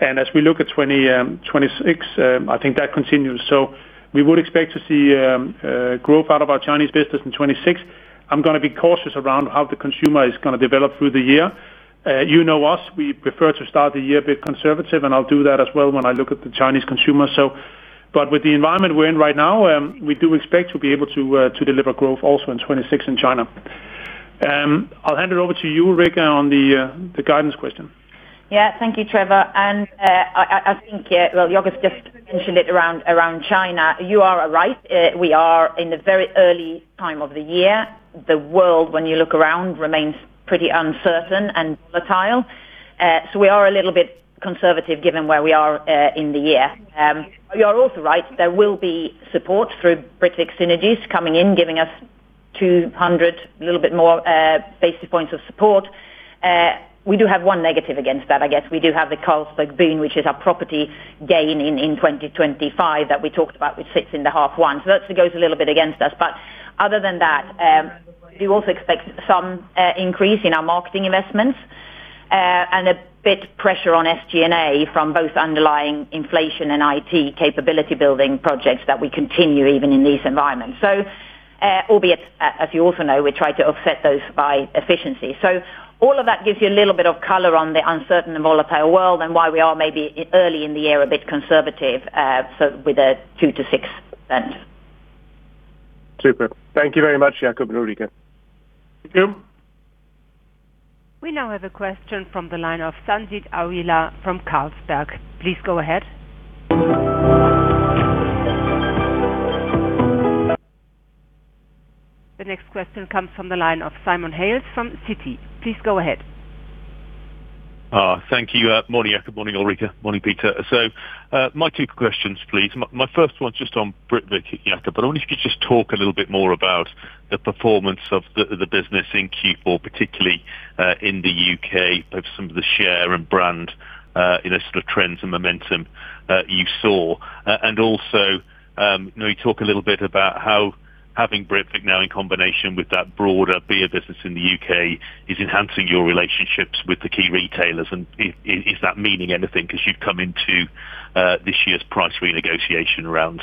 And as we look at 2026, I think that continues. So we would expect to see growth out of our Chinese business in 2026. I'm going to be cautious around how the consumer is going to develop through the year. You know us, we prefer to start the year a bit conservative, and I'll do that as well when I look at the Chinese consumer. But with the environment we're in right now, we do expect to be able to deliver growth also in 2026 in China. I'll hand it over to you, Ulrica, on the guidance question. Yeah. Thank you, Trevor. Well, Jacob just mentioned it around China. You are right, we are in the very early time of the year. The world, when you look around, remains pretty uncertain and volatile. So we are a little bit conservative, given where we are in the year. You are also right, there will be support through Britvic synergies coming in, giving us 200, a little bit more basis points of support. We do have one negative against that, I guess. We do have the Carlsberg Byen, which is our property gain in 2025 that we talked about, which sits in the H1. So that goes a little bit against us, but other than that, we also expect some increase in our marketing investments, and a bit pressure on SG&A from both underlying inflation and IT capability building projects that we continue even in these environments. So, albeit, as you also know, we try to offset those by efficiency. So all of that gives you a little bit of color on the uncertain and volatile world and why we are maybe early in the year, a bit conservative, so with a 2-6 spend. Super. Thank you very much, Jacob and Ulrica. Thank you. We now have a question from the line of Sanjeet Aujla from UBS. Please go ahead. The next question comes from the line of Simon Hales from Citi. Please go ahead. Thank you. Good morning, Jacob. Good morning, Ulrica. Morning, Peter. So, my two questions, please. My, my first one, just on Britvic, Jacob, but I wonder if you could just talk a little bit more about the performance of the, the business in Q4, particularly, in the U.K., of some of the share and brand, you know, sort of trends and momentum, you saw. And also, you know, you talk a little bit about how having Britvic now, in combination with that broader beer business in the U.K., is enhancing your relationships with the key retailers, and is, is, is that meaning anything? Because you've come into, this year's price renegotiation rounds,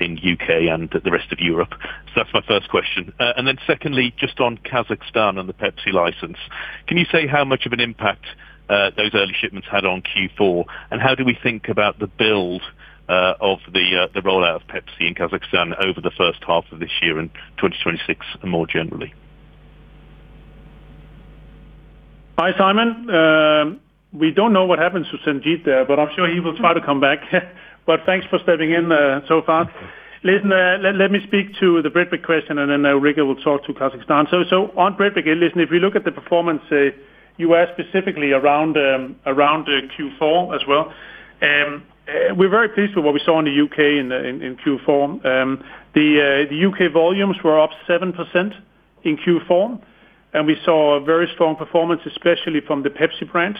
in U.K. and the rest of Europe. So that's my first question. And then secondly, just on Kazakhstan and the Pepsi license, can you say how much of an impact those early shipments had on Q4, and how do we think about the build of the rollout of Pepsi in Kazakhstan over the first half of this year in 2026 and more generally? Hi, Simon. We don't know what happened to Sanjeet there, but I'm sure he will try to come back. But thanks for stepping in, so far. Listen, let me speak to the Britvic question, and then Ulrica will talk to Kazakhstan. So on Britvic, listen, if we look at the performance, you asked specifically around Q4 as well, we're very pleased with what we saw in the U.K. in Q4. The U.K. volumes were up 7% in Q4, and we saw a very strong performance, especially from the Pepsi brand.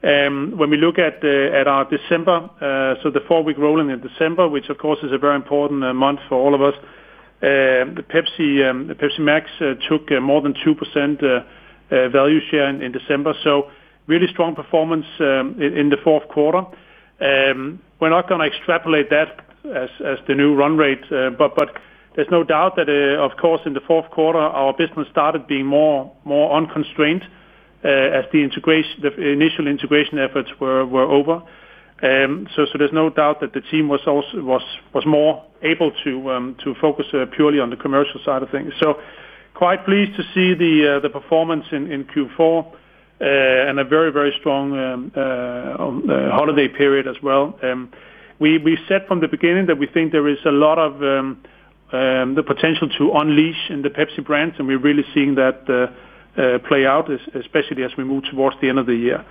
When we look at our December, so the four-week rolling in December, which of course is a very important month for all of us, the Pepsi, the Pepsi MAX took more than 2% value share in December, so really strong performance in the fourth quarter. We're not going to extrapolate that as the new run rate, but there's no doubt that, of course, in the fourth quarter, our business started being more unconstrained as the integration, the initial integration efforts were over. So there's no doubt that the team was also more able to focus purely on the commercial side of things. So quite pleased to see the performance in Q4 and a very, very strong holiday period as well. We said from the beginning that we think there is a lot of the potential to unleash in the Pepsi brands, and we're really seeing that play out, especially as we move towards the end of the year.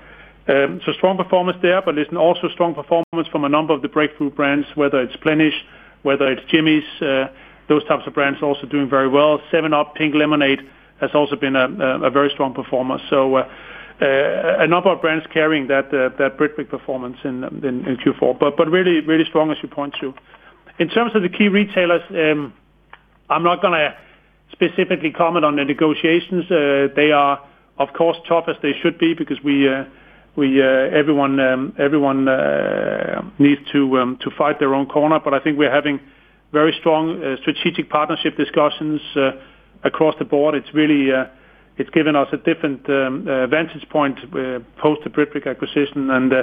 So strong performance there, but there's also strong performance from a number of the breakthrough brands, whether it's Plenish, whether it's Jimmy's, those types of brands also doing very well. 7UP Pink Lemonade has also been a very strong performer. So, a number of brands carrying that Britvic performance in Q4, but really, really strong, as you point to. In terms of the key retailers, I'm not going to specifically comment on the negotiations. They are, of course, tough, as they should be, because everyone needs to fight their own corner. But I think we're having very strong strategic partnership discussions across the board. It's really, it's given us a different vantage point post the Britvic acquisition, and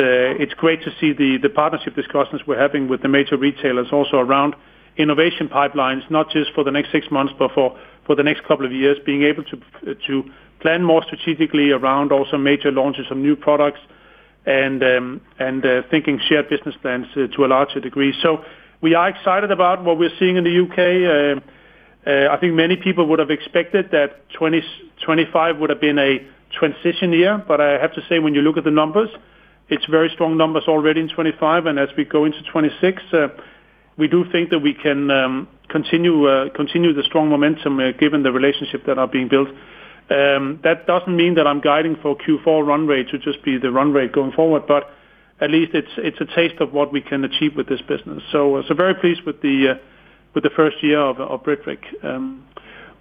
it's great to see the partnership discussions we're having with the major retailers also around innovation pipelines, not just for the next six months, but for the next couple of years, being able to plan more strategically around also major launches of new products and thinking shared business plans to a larger degree. So we are excited about what we're seeing in the U.K. I think many people would have expected that 2025 would have been a transition year, but I have to say, when you look at the numbers, it's very strong numbers already in 2025, and as we go into 2026, we do think that we can continue the strong momentum, given the relationships that are being built. That doesn't mean that I'm guiding for Q4 run rate to just be the run rate going forward, but at least it's a taste of what we can achieve with this business. So very pleased with the first year of Britvic.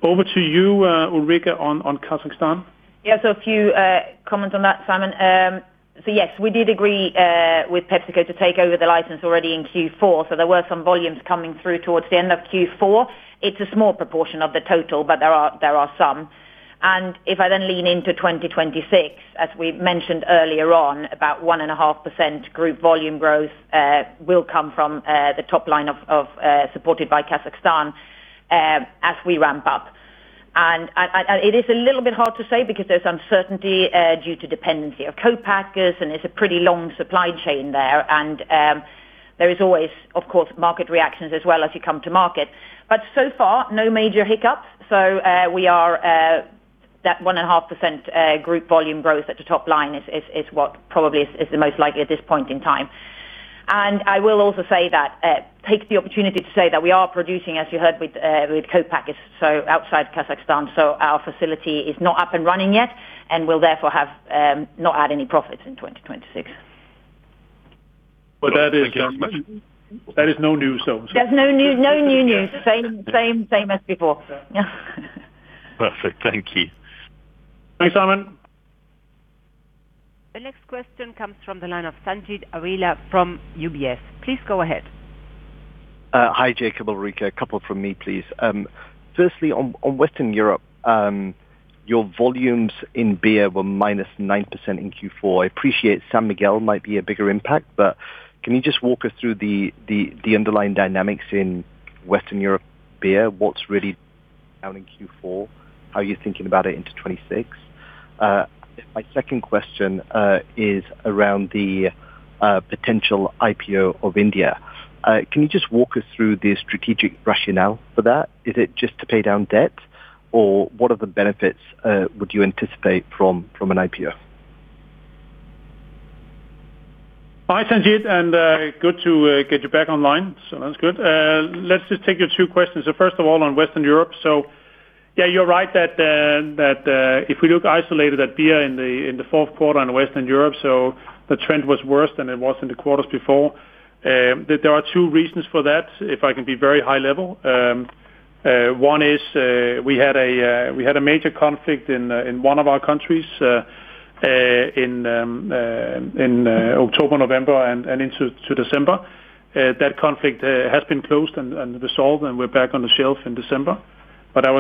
Over to you, Ulrica, on Kazakhstan. Yeah, so a few comments on that, Simon. So yes, we did agree with PepsiCo to take over the license already in Q4, so there were some volumes coming through towards the end of Q4. It's a small proportion of the total, but there are, there are some. And if I then lean into 2026, as we mentioned earlier on, about 1.5% group volume growth will come from the top line of supported by Kazakhstan as we ramp up. And it is a little bit hard to say because there's uncertainty due to dependency of co-packers, and it's a pretty long supply chain there. And there is always, of course, market reactions as well as you come to market. But so far, no major hiccups. So, we are that 1.5% group volume growth at the top line is what probably is the most likely at this point in time. And I will also say that, take the opportunity to say that we are producing, as you heard, with co-packers, so outside Kazakhstan. So our facility is not up and running yet, and will therefore have not had any profits in 2026. But that is, that is no news, though. There's no new, no new news. Same, same, same as before. Yeah. Perfect. Thank you. Thanks, Simon. The next question comes from the line of Sanjeet Aujla from UBS. Please go ahead. Hi, Jacob, Ulrica. A couple from me, please. Firstly, on Western Europe, your volumes in beer were -9% in Q4. I appreciate San Miguel might be a bigger impact, but can you just walk us through the underlying dynamics in Western Europe beer? What's really down in Q4? How are you thinking about it into 2026? My second question is around the potential IPO of India. Can you just walk us through the strategic rationale for that? Is it just to pay down debt, or what are the benefits would you anticipate from an IPO? Hi, Sanjeet, and good to get you back online. So that's good. Let's just take your two questions. So first of all, on Western Europe. So yeah, you're right that that if we look isolated at beer in the fourth quarter on Western Europe, so the trend was worse than it was in the quarters before. There are two reasons for that, if I can be very high level. One is we had a major conflict in one of our countries in October, November, and into December. That conflict has been closed and resolved, and we're back on the shelf in December. But there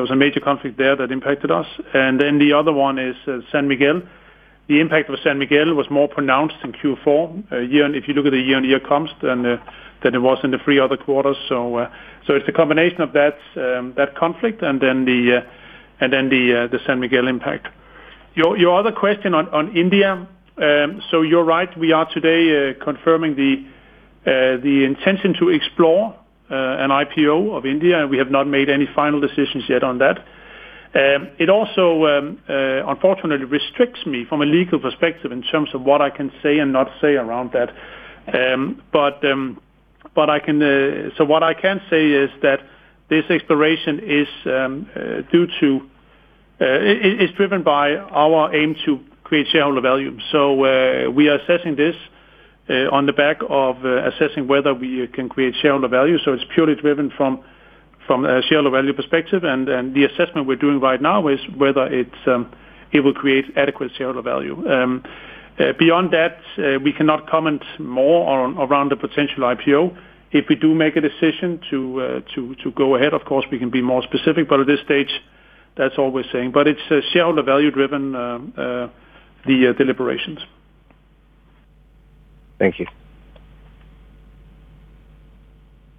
was a major conflict there that impacted us. And then the other one is San Miguel. The impact of San Miguel was more pronounced in Q4 year-on-year. If you look at the year-on-year comps than it was in the three other quarters. So it's a combination of that conflict and then the San Miguel impact. Your other question on India, so you're right, we are today confirming the intention to explore an IPO of India, and we have not made any final decisions yet on that. It also unfortunately restricts me from a legal perspective in terms of what I can say and not say around that. But I can. So what I can say is that this exploration is due to it is driven by our aim to create shareholder value. So, we are assessing this on the back of assessing whether we can create shareholder value. So it's purely driven from a shareholder value perspective. And the assessment we're doing right now is whether it's it will create adequate shareholder value. Beyond that, we cannot comment more on or around the potential IPO. If we do make a decision to go ahead, of course, we can be more specific, but at this stage, that's all we're saying. But it's a shareholder value driven the deliberations. Thank you.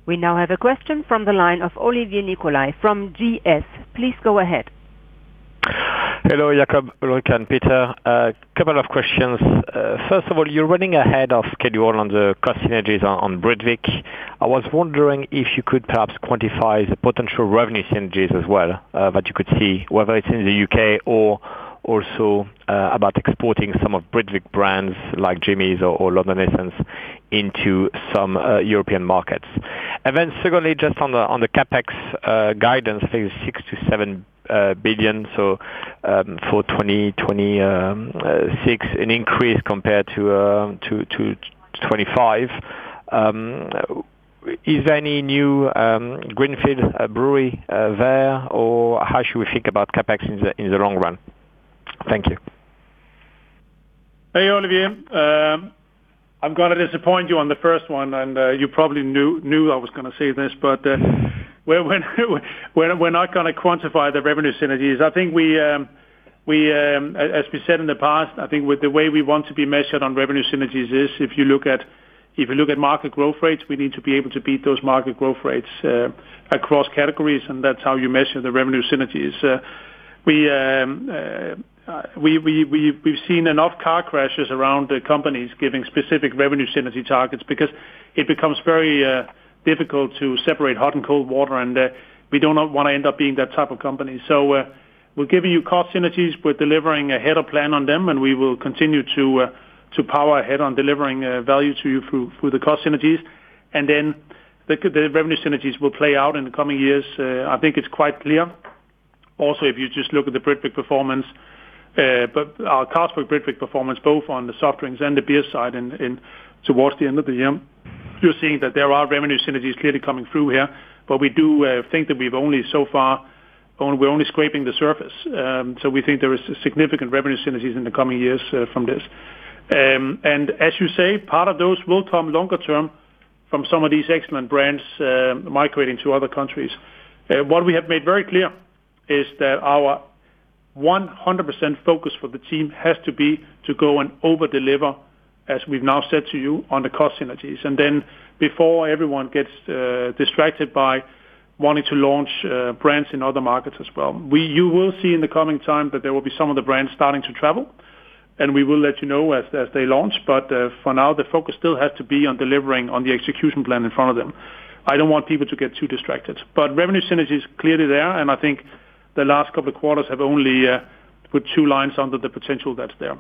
We now have a question from the line of Olivier Nicolai from GS. Please go ahead. Hello, Jacob, Ulrica, and Peter. A couple of questions. First of all, you're running ahead of schedule on the cost synergies on Britvic. I was wondering if you could perhaps quantify the potential revenue synergies as well, that you could see, whether it's in the U.K. or also, about exporting some of Britvic brands like Jimmy's or London Essence into some, European markets. And then secondly, just on the, on the CapEx, guidance, I think it's 6 billion-7 billion, for 2026, an increase compared to, to, to 2025. Is there any new, greenfield brewery, there, or how should we think about CapEx in the, in the long run? Thank you. Hey, Olivier, I'm gonna disappoint you on the first one, and you probably knew I was gonna say this, but we're not gonna quantify the revenue synergies. I think we, as we said in the past, I think with the way we want to be measured on revenue synergies is, if you look at market growth rates, we need to be able to beat those market growth rates across categories, and that's how you measure the revenue synergies. We've seen enough car crashes around the companies giving specific revenue synergy targets, because it becomes very difficult to separate hot and cold water, and we do not wanna end up being that type of company. So, we're giving you cost synergies. We're delivering ahead of plan on them, and we will continue to power ahead on delivering value to you through the cost synergies. And then the revenue synergies will play out in the coming years. I think it's quite clear. Also, if you just look at the Britvic performance, but our Carlsberg Britvic performance, both on the soft drinks and the beer side and towards the end of the year, you're seeing that there are revenue synergies clearly coming through here, but we do think that we've only so far, we're only scraping the surface. So we think there is significant revenue synergies in the coming years, from this. And as you say, part of those will come longer term from some of these excellent brands, migrating to other countries. What we have made very clear is that our 100% focus for the team has to be to go and over-deliver, as we've now said to you, on the cost synergies, and then before everyone gets distracted by wanting to launch brands in other markets as well. You will see in the coming time that there will be some of the brands starting to travel, and we will let you know as they launch. But for now, the focus still has to be on delivering on the execution plan in front of them. I don't want people to get too distracted, but revenue synergy is clearly there, and I think the last couple of quarters have only put two lines under the potential that's there.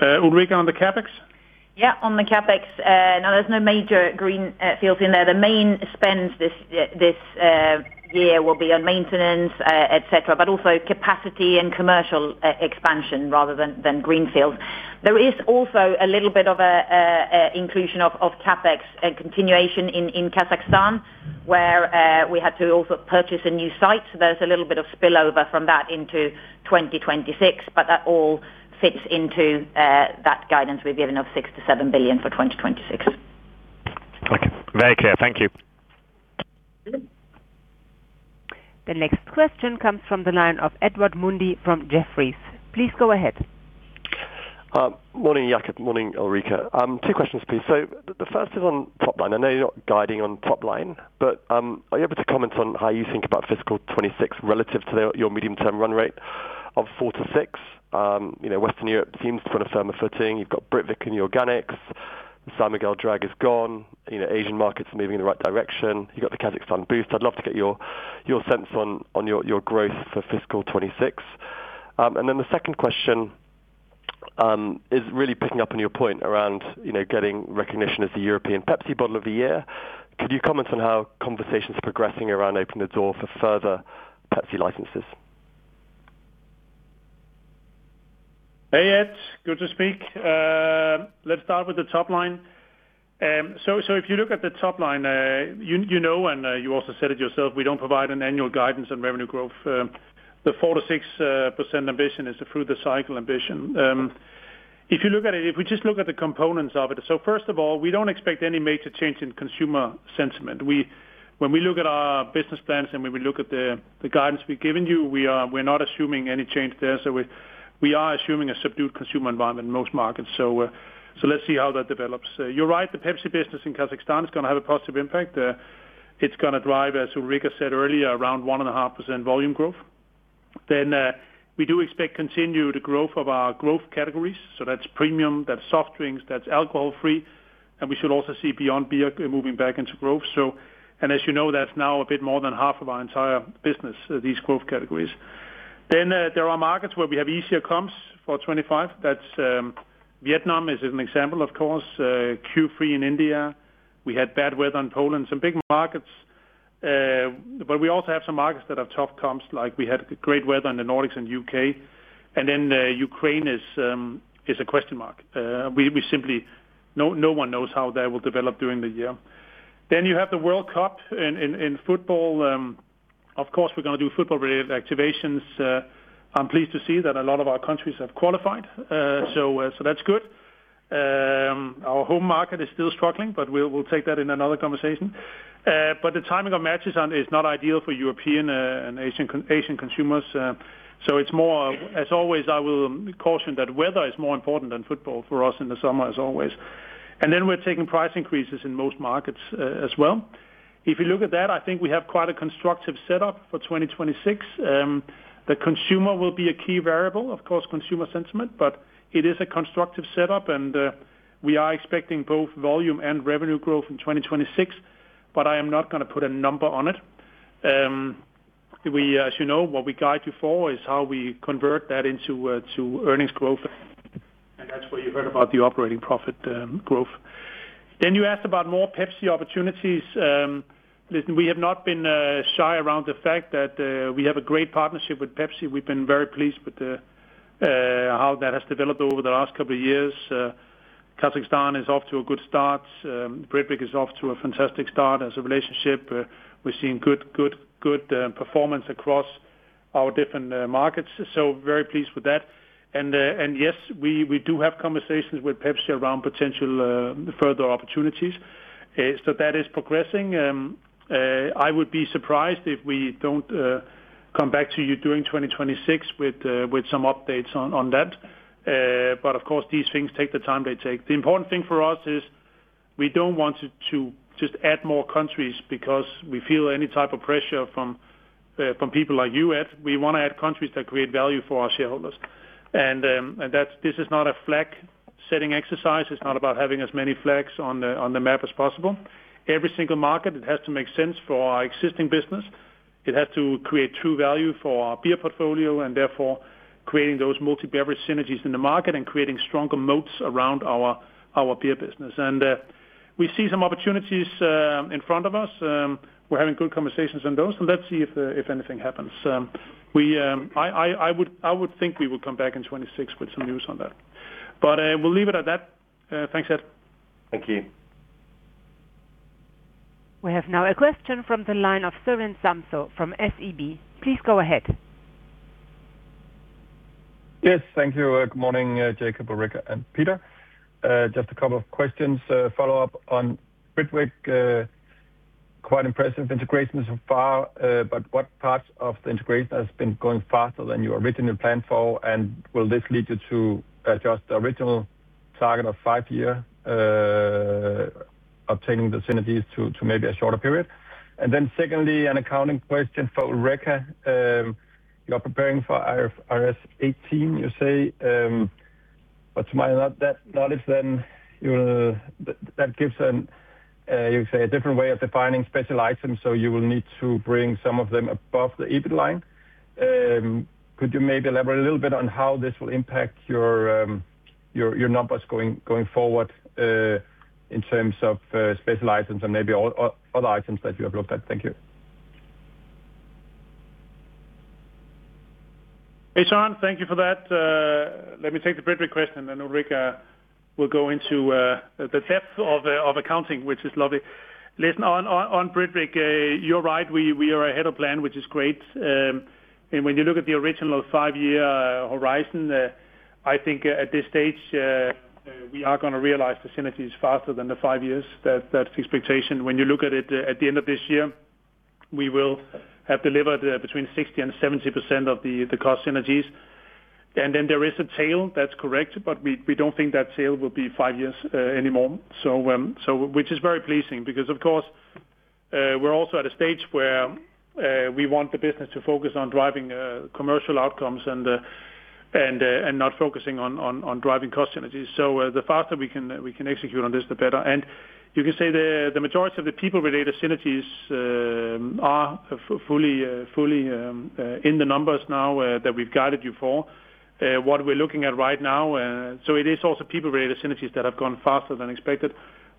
Ulrica, on the CapEx? Yeah, on the CapEx, no, there's no major greenfields in there. The main spend this year will be on maintenance, et cetera, but also capacity and commercial expansion rather than greenfields. There is also a little bit of a inclusion of CapEx, a continuation in Kazakhstan, where we had to also purchase a new site. So there's a little bit of spillover from that into 2026, but that all fits into that guidance we've given of 6 billion-7 billion for 2026. Okay. Very clear. Thank you. The next question comes from the line of Edward Mundy from Jefferies. Please go ahead. Morning, Jacob. Morning, Ulrica. Two questions, please. So the first is on top line. I know you're not guiding on top line, but, are you able to comment on how you think about fiscal 2026 relative to the, your medium-term run rate of 4%-6%? You know, Western Europe seems to put a firmer footing. You've got Britvic in the organics, San Miguel drag is gone, you know, Asian markets are moving in the right direction. You got the Kazakhstan boost. I'd love to get your, your sense on, on your, your growth for fiscal 2026. And then the second question, is really picking up on your point around, you know, getting recognition as the European Pepsi Bottler of the Year. Could you comment on how conversations are progressing around opening the door for further Pepsi licenses? Hey, Ed, good to speak. Let's start with the top line. So if you look at the top line, you know, and you also said it yourself, we don't provide an annual guidance on revenue growth. The 4%-6% ambition is through the cycle ambition. If you look at it, if we just look at the components of it, so first of all, we don't expect any major change in consumer sentiment. When we look at our business plans and when we look at the guidance we've given you, we're not assuming any change there. So we are assuming a subdued consumer environment in most markets. So let's see how that develops. You're right, the Pepsi business in Kazakhstan is going to have a positive impact. It's gonna drive, as Ulrica said earlier, around 1.5% volume growth. Then, we do expect continued growth of our growth categories, so that's premium, that's soft drinks, that's alcohol-free, and we should also see Beyond Beer moving back into growth. So, and as you know, that's now a bit more than half of our entire business, these growth categories. Then, there are markets where we have easier comps for 2025. That's, Vietnam is an example, of course, Q3 in India, we had bad weather in Poland, some big markets, but we also have some markets that have tough comps, like we had great weather in the Nordics and U.K., and then, Ukraine is, is a question mark. We simply—no one knows how that will develop during the year. Then you have the World Cup in football. Of course, we're gonna do football-related activations. I'm pleased to see that a lot of our countries have qualified, so that's good. Our home market is still struggling, but we'll take that in another conversation. But the timing of matches on is not ideal for European and Asian consumers, so it's more, as always, I will caution that weather is more important than football for us in the summer, as always. And then we're taking price increases in most markets, as well. If you look at that, I think we have quite a constructive setup for 2026. The consumer will be a key variable, of course, consumer sentiment, but it is a constructive setup, and we are expecting both volume and revenue growth in 2026, but I am not gonna put a number on it. We, as you know, what we guide you for is how we convert that into to earnings growth, and that's where you heard about the operating profit growth. Then you asked about more Pepsi opportunities. Listen, we have not been shy around the fact that we have a great partnership with Pepsi. We've been very pleased with the, how that has developed over the last couple of years. Kazakhstan is off to a good start. Britvic is off to a fantastic start as a relationship. We're seeing good, good, good performance across our different markets, so very pleased with that. And yes, we do have conversations with Pepsi around potential further opportunities. So that is progressing. I would be surprised if we don't come back to you during 2026 with some updates on that. But of course, these things take the time they take. The important thing for us is we don't want to just add more countries because we feel any type of pressure from people like you, Ed. We wanna add countries that create value for our shareholders. And that's, this is not a flag-setting exercise. It's not about having as many flags on the map as possible. Every single market, it has to make sense for our existing business. It has to create true value for our beer portfolio, and therefore, creating those multi-beverage synergies in the market and creating stronger moats around our beer business. We see some opportunities in front of us. We're having good conversations on those, and let's see if anything happens. I would think we will come back in 2026 with some news on that. But we'll leave it at that. Thanks, Ed. Thank you. We have now a question from the line of Søren Samsøe from SEB. Please go ahead. Yes, thank you. Good morning, Jacob, Ulrica, and Peter. Just a couple of questions. Follow up on Britvic, quite impressive integration so far, but what parts of the integration has been going faster than you originally planned for? And will this lead you to adjust the original target of five-year obtaining the synergies to maybe a shorter period? And then secondly, an accounting question for Ulrica. You are preparing for IFRS 18, you say, but to my knowledge, that gives a different way of defining special items, so you will need to bring some of them above the EBIT line. Could you maybe elaborate a little bit on how this will impact your numbers going forward, in terms of special items and maybe other items that you have looked at? Thank you. Hey, Søren, thank you for that. Let me take the Britvic question, and Ulrica will go into the depth of accounting, which is lovely. Listen, on Britvic, you're right, we are ahead of plan, which is great. And when you look at the original five-year horizon, I think at this stage, we are gonna realize the synergies faster than the five years. That's the expectation. When you look at it, at the end of this year, we will have delivered between 60% and 70% of the cost synergies. And then there is a tail, that's correct, but we don't think that tail will be five years anymore, so which is very pleasing because, of course, we're also at a stage where we want the business to focus on driving commercial outcomes and not focusing on driving cost synergies. So the faster we can execute on this, the better. And you can say the majority of the people-related synergies are fully in the numbers now that we've guided you for. What we're looking at right now. So it is also people-related synergies that have gone faster than expected.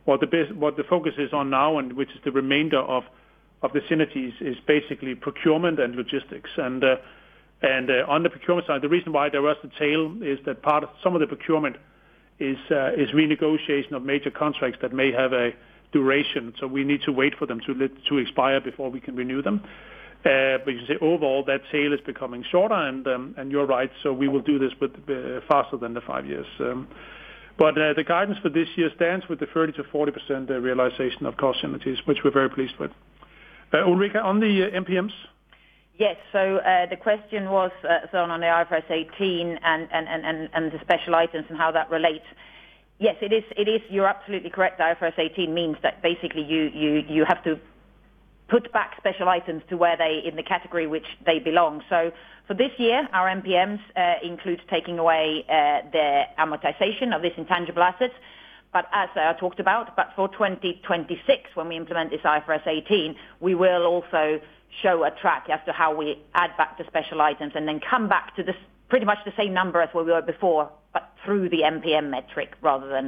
What the focus is on now, and which is the remainder of the synergies, is basically procurement and logistics. On the procurement side, the reason why there was the tail is that part of some of the procurement is renegotiation of major contracts that may have a duration, so we need to wait for them to expire before we can renew them. But you can say, overall, that tail is becoming shorter, and you're right, so we will do this faster than the five years. But the guidance for this year stands with the 30%-40% realization of cost synergies, which we're very pleased with. Ulrica, on the MPMs? Yes. So, the question was, Søren, on the IFRS 18 and the special items and how that relates. Yes, it is. You're absolutely correct. IFRS 18 means that basically, you have to put back special items to where they in the category which they belong. So for this year, our MPMs includes taking away the amortization of this intangible assets. But as I talked about, but for 2026, when we implement this IFRS 18, we will also show a track as to how we add back the special items and then come back to the pretty much the same number as where we were before, but through the MPM metric, rather than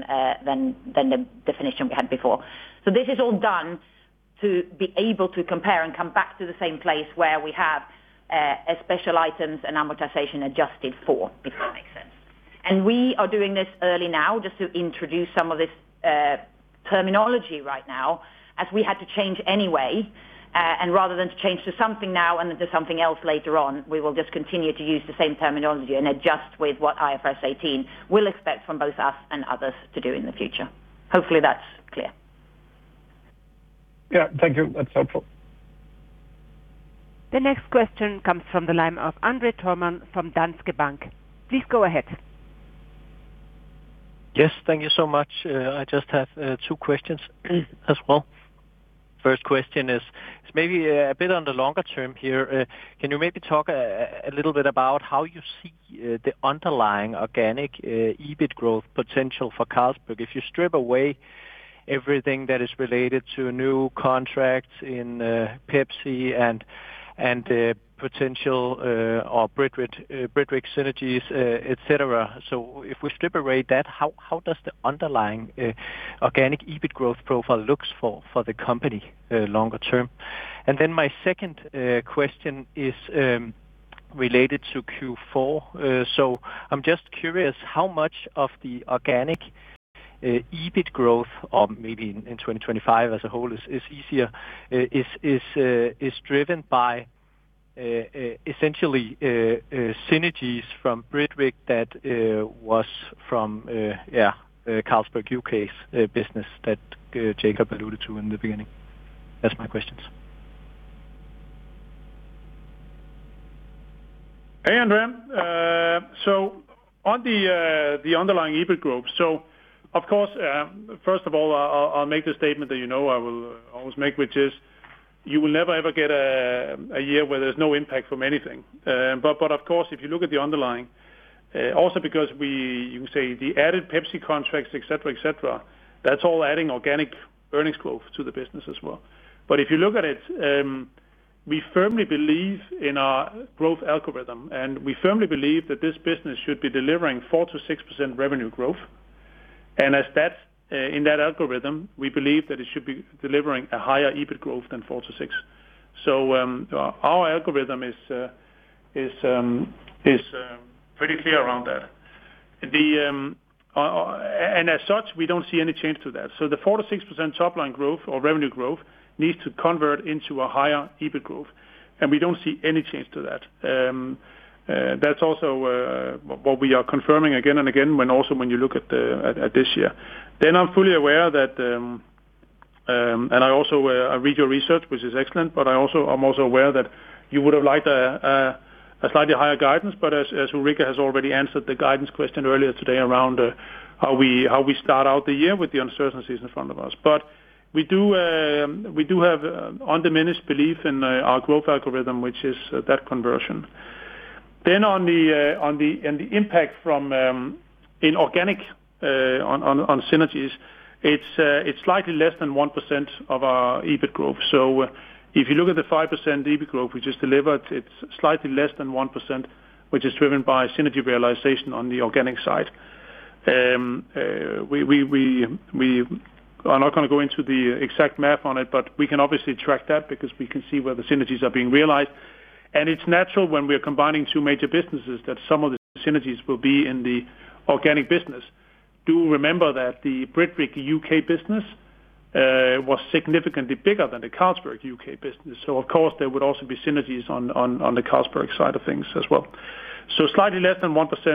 the definition we had before. This is all done to be able to compare and come back to the same place where we have a special items and amortization adjusted for, if that makes sense. We are doing this early now just to introduce some of this terminology right now, as we had to change anyway, and rather than to change to something now and to something else later on, we will just continue to use the same terminology and adjust with what IFRS 18 will expect from both us and others to do in the future. Hopefully, that's clear. Yeah. Thank you. That's helpful. The next question comes from the line of André Thormann from Danske Bank. Please go ahead. Yes, thank you so much. I just have two questions as well. First question is maybe a bit on the longer term here. Can you maybe talk a little bit about how you see the underlying organic EBIT growth potential for Carlsberg? If you strip away everything that is related to new contracts in Pepsi and potential or Britvic, Britvic synergies, et cetera. So if we strip away that, how does the underlying organic EBIT growth profile look for the company longer term? And then my second question is related to Q4. I'm just curious, how much of the organic EBIT growth, or maybe in 2025 as a whole, is easier, is driven by essentially synergies from Britvic that was from Carlsberg U.K.'s business that Jacob alluded to in the beginning? That's my questions. Hey, André. So on the underlying EBIT growth. So, of course, first of all, I'll make the statement that you know I will always make, which is: you will never, ever get a year where there's no impact from anything. But, of course, if you look at the underlying, also because we, you say the added Pepsi contracts, et cetera, et cetera, that's all adding organic earnings growth to the business as well. But if you look at it, we firmly believe in our growth algorithm, and we firmly believe that this business should be delivering 4%-6% revenue growth. And as that, in that algorithm, we believe that it should be delivering a higher EBIT growth than 4%-6%. So, our algorithm is pretty clear around that. And as such, we don't see any change to that. So the 4%-6% top line growth or revenue growth needs to convert into a higher EBIT growth, and we don't see any change to that. That's also what we are confirming again and again, when also when you look at the, at, at this year. Then I'm fully aware that, and I also, I read your research, which is excellent, but I also, I'm also aware that you would have liked a, a, a slightly higher guidance, but as, as Ulrica has already answered the guidance question earlier today around, how we, how we start out the year with the uncertainties in front of us. But we do, we do have undiminished belief in, our growth algorithm, which is that conversion. Then on the impact from inorganic on synergies, it's slightly less than 1% of our EBIT growth. So if you look at the 5% EBIT growth we just delivered, it's slightly less than 1%, which is driven by synergy realization on the organic side. We are not gonna go into the exact math on it, but we can obviously track that because we can see where the synergies are being realized. And it's natural when we're combining two major businesses, that some of the synergies will be in the organic business. Do remember that the Britvic U.K. business was significantly bigger than the Carlsberg U.K. business, so of course, there would also be synergies on the Carlsberg side of things as well. So slightly less than 1%,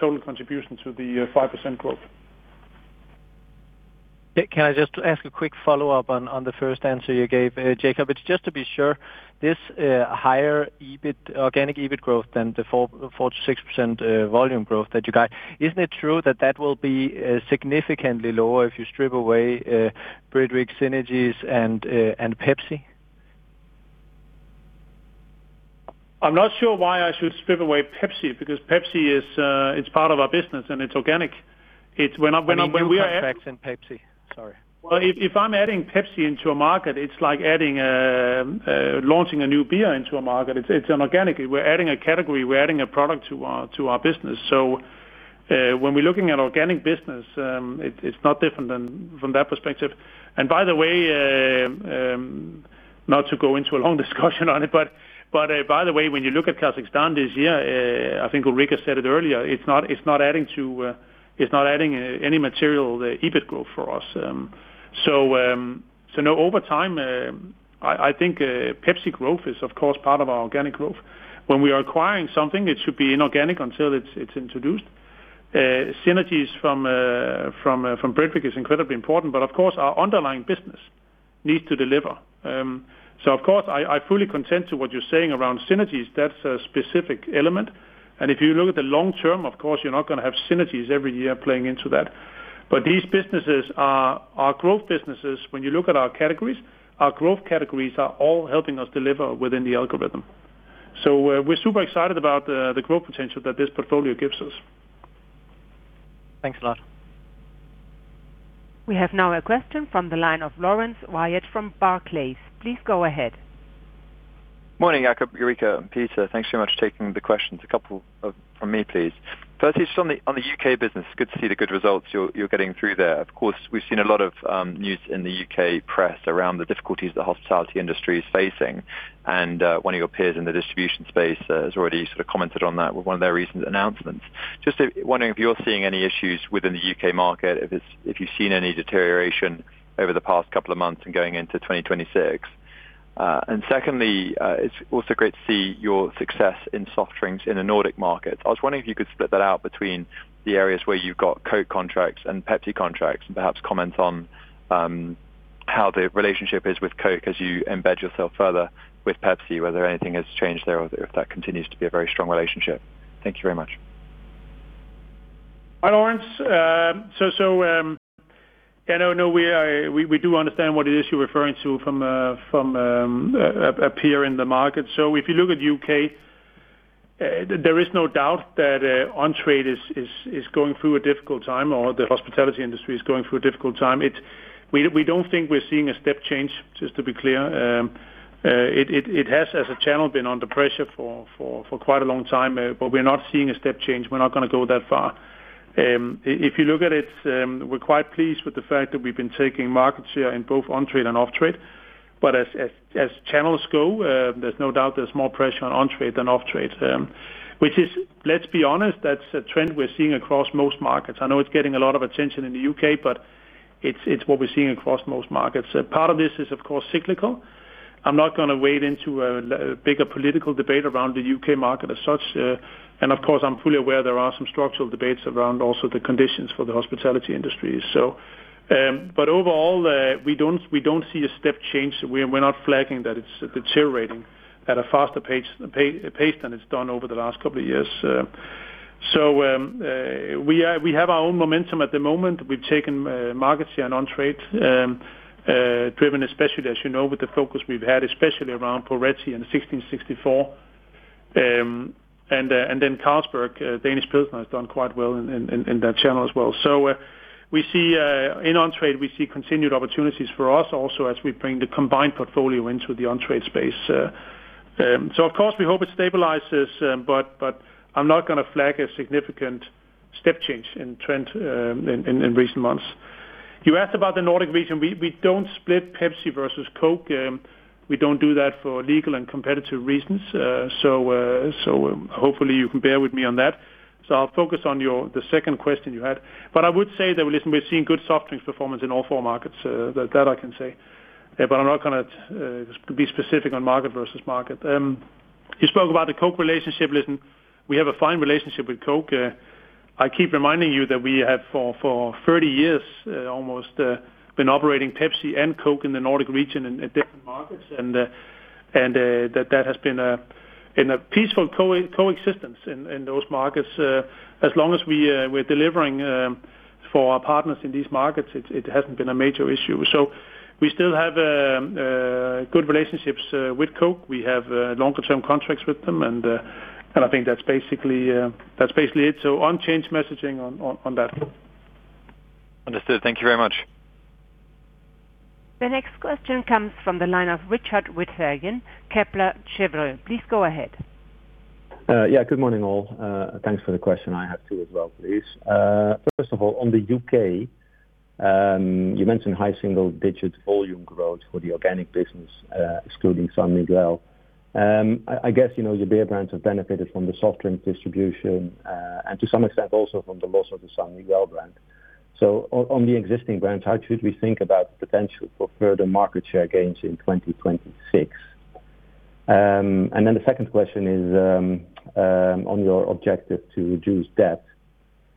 total contribution to the 5% growth. Can I just ask a quick follow-up on the first answer you gave, Jacob? It's just to be sure, this higher EBIT, organic EBIT growth than the 4%-6% volume growth that you got, isn't it true that that will be significantly lower if you strip away Britvic synergies and Pepsi? I'm not sure why I should strip away Pepsi, because Pepsi is, it's part of our business, and it's organic. It's when I- When you add Pepsi, sorry. Well, if I'm adding Pepsi into a market, it's like adding launching a new beer into a market. It's an organic. We're adding a category, we're adding a product to our business. So, when we're looking at organic business, it's not different than from that perspective. And by the way, not to go into a long discussion on it, but by the way, when you look at Kazakhstan this year, I think Ulrica said it earlier, it's not adding to, it's not adding any material the EBIT growth for us. So, so no, over time, I think Pepsi growth is, of course, part of our organic growth. When we are acquiring something, it should be inorganic until it's introduced. Synergies from Britvic is incredibly important, but of course, our underlying business needs to deliver. So of course, I fully contend to what you're saying around synergies. That's a specific element, and if you look at the long term, of course, you're not gonna have synergies every year playing into that. But these businesses are growth businesses. When you look at our categories, our growth categories are all helping us deliver within the algorithm. So, we're super excited about the growth potential that this portfolio gives us. Thanks a lot. We have now a question from the line of Laurence Whyatt from Barclays. Please go ahead. Morning, Jacob, Ulrica, and Peter. Thanks so much for taking the questions. A couple of from me, please. First, just on the, on the U.K. business, good to see the good results you're, you're getting through there. Of course, we've seen a lot of news in the U.K. press around the difficulties the hospitality industry is facing, and one of your peers in the distribution space has already sort of commented on that with one of their recent announcements. Just wondering if you're seeing any issues within the U.K. market, if it's- if you've seen any deterioration over the past couple of months and going into 2026? And secondly, it's also great to see your success in soft drinks in the Nordic market. I was wondering if you could split that out between the areas where you've got Coke contracts and Pepsi contracts and perhaps comment on how the relationship is with Coke as you embed yourself further with Pepsi, whether anything has changed there or if that continues to be a very strong relationship. Thank you very much. Hi, Laurence. So, yeah, no, no, we do understand what it is you're referring to from a peer in the market. So if you look at U.K., there is no doubt that on-trade is going through a difficult time or the hospitality industry is going through a difficult time. It's... We don't think we're seeing a step change, just to be clear. It has, as a channel, been under pressure for quite a long time, but we're not seeing a step change. We're not gonna go that far. If you look at it, we're quite pleased with the fact that we've been taking market share in both on-trade and off-trade, but as channels go, there's no doubt there's more pressure on on-trade than off-trade. Which is, let's be honest, that's a trend we're seeing across most markets. I know it's getting a lot of attention in the U.K. but it's what we're seeing across most markets. Part of this is, of course, cyclical. I'm not gonna wade into a bigger political debate around the U.K. market as such, and of course, I'm fully aware there are some structural debates around also the conditions for the hospitality industry. But overall, we don't see a step change. We're not flagging that it's deteriorating at a faster pace than it's done over the last couple of years. So, we have our own momentum at the moment. We've taken market share and on-trade driven, especially, as you know, with the focus we've had, especially around Poretti and 1664. And then Carlsberg, Danish Pilsner has done quite well in that channel as well. So, we see in on-trade, we see continued opportunities for us also as we bring the combined portfolio into the on-trade space, going forward. So of course, we hope it stabilizes, but I'm not going to flag a significant step change in trend in recent months. You asked about the Nordic region. We don't split Pepsi versus Coke. We don't do that for legal and competitive reasons. So hopefully you can bear with me on that. So I'll focus on your—the second question you had. But I would say that, listen, we're seeing good soft drinks performance in all four markets, that I can say. But I'm not going to be specific on market versus market. You spoke about the Coke relationship. Listen, we have a fine relationship with Coke. I keep reminding you that we have for 30 years, almost, been operating Pepsi and Coke in the Nordic region in different markets, and that has been a in a peaceful co-existence in those markets. As long as we're delivering for our partners in these markets, it hasn't been a major issue. So we still have a good relationships with Coke. We have longer-term contracts with them, and I think that's basically it. So unchanged messaging on that. Understood. Thank you very much. The next question comes from the line of Richard Withagen, Kepler Cheuvreux. Please go ahead. Yeah, good morning, all. Thanks for the question. I have two as well, please. First of all, on the U.K., you mentioned high single-digit volume growth for the organic business, excluding San Miguel. I guess, you know, your beer brands have benefited from the soft drinks distribution, and to some extent, also from the loss of the San Miguel brand. So on the existing brands, how should we think about the potential for further market share gains in 2026? And then the second question is on your objective to reduce debt,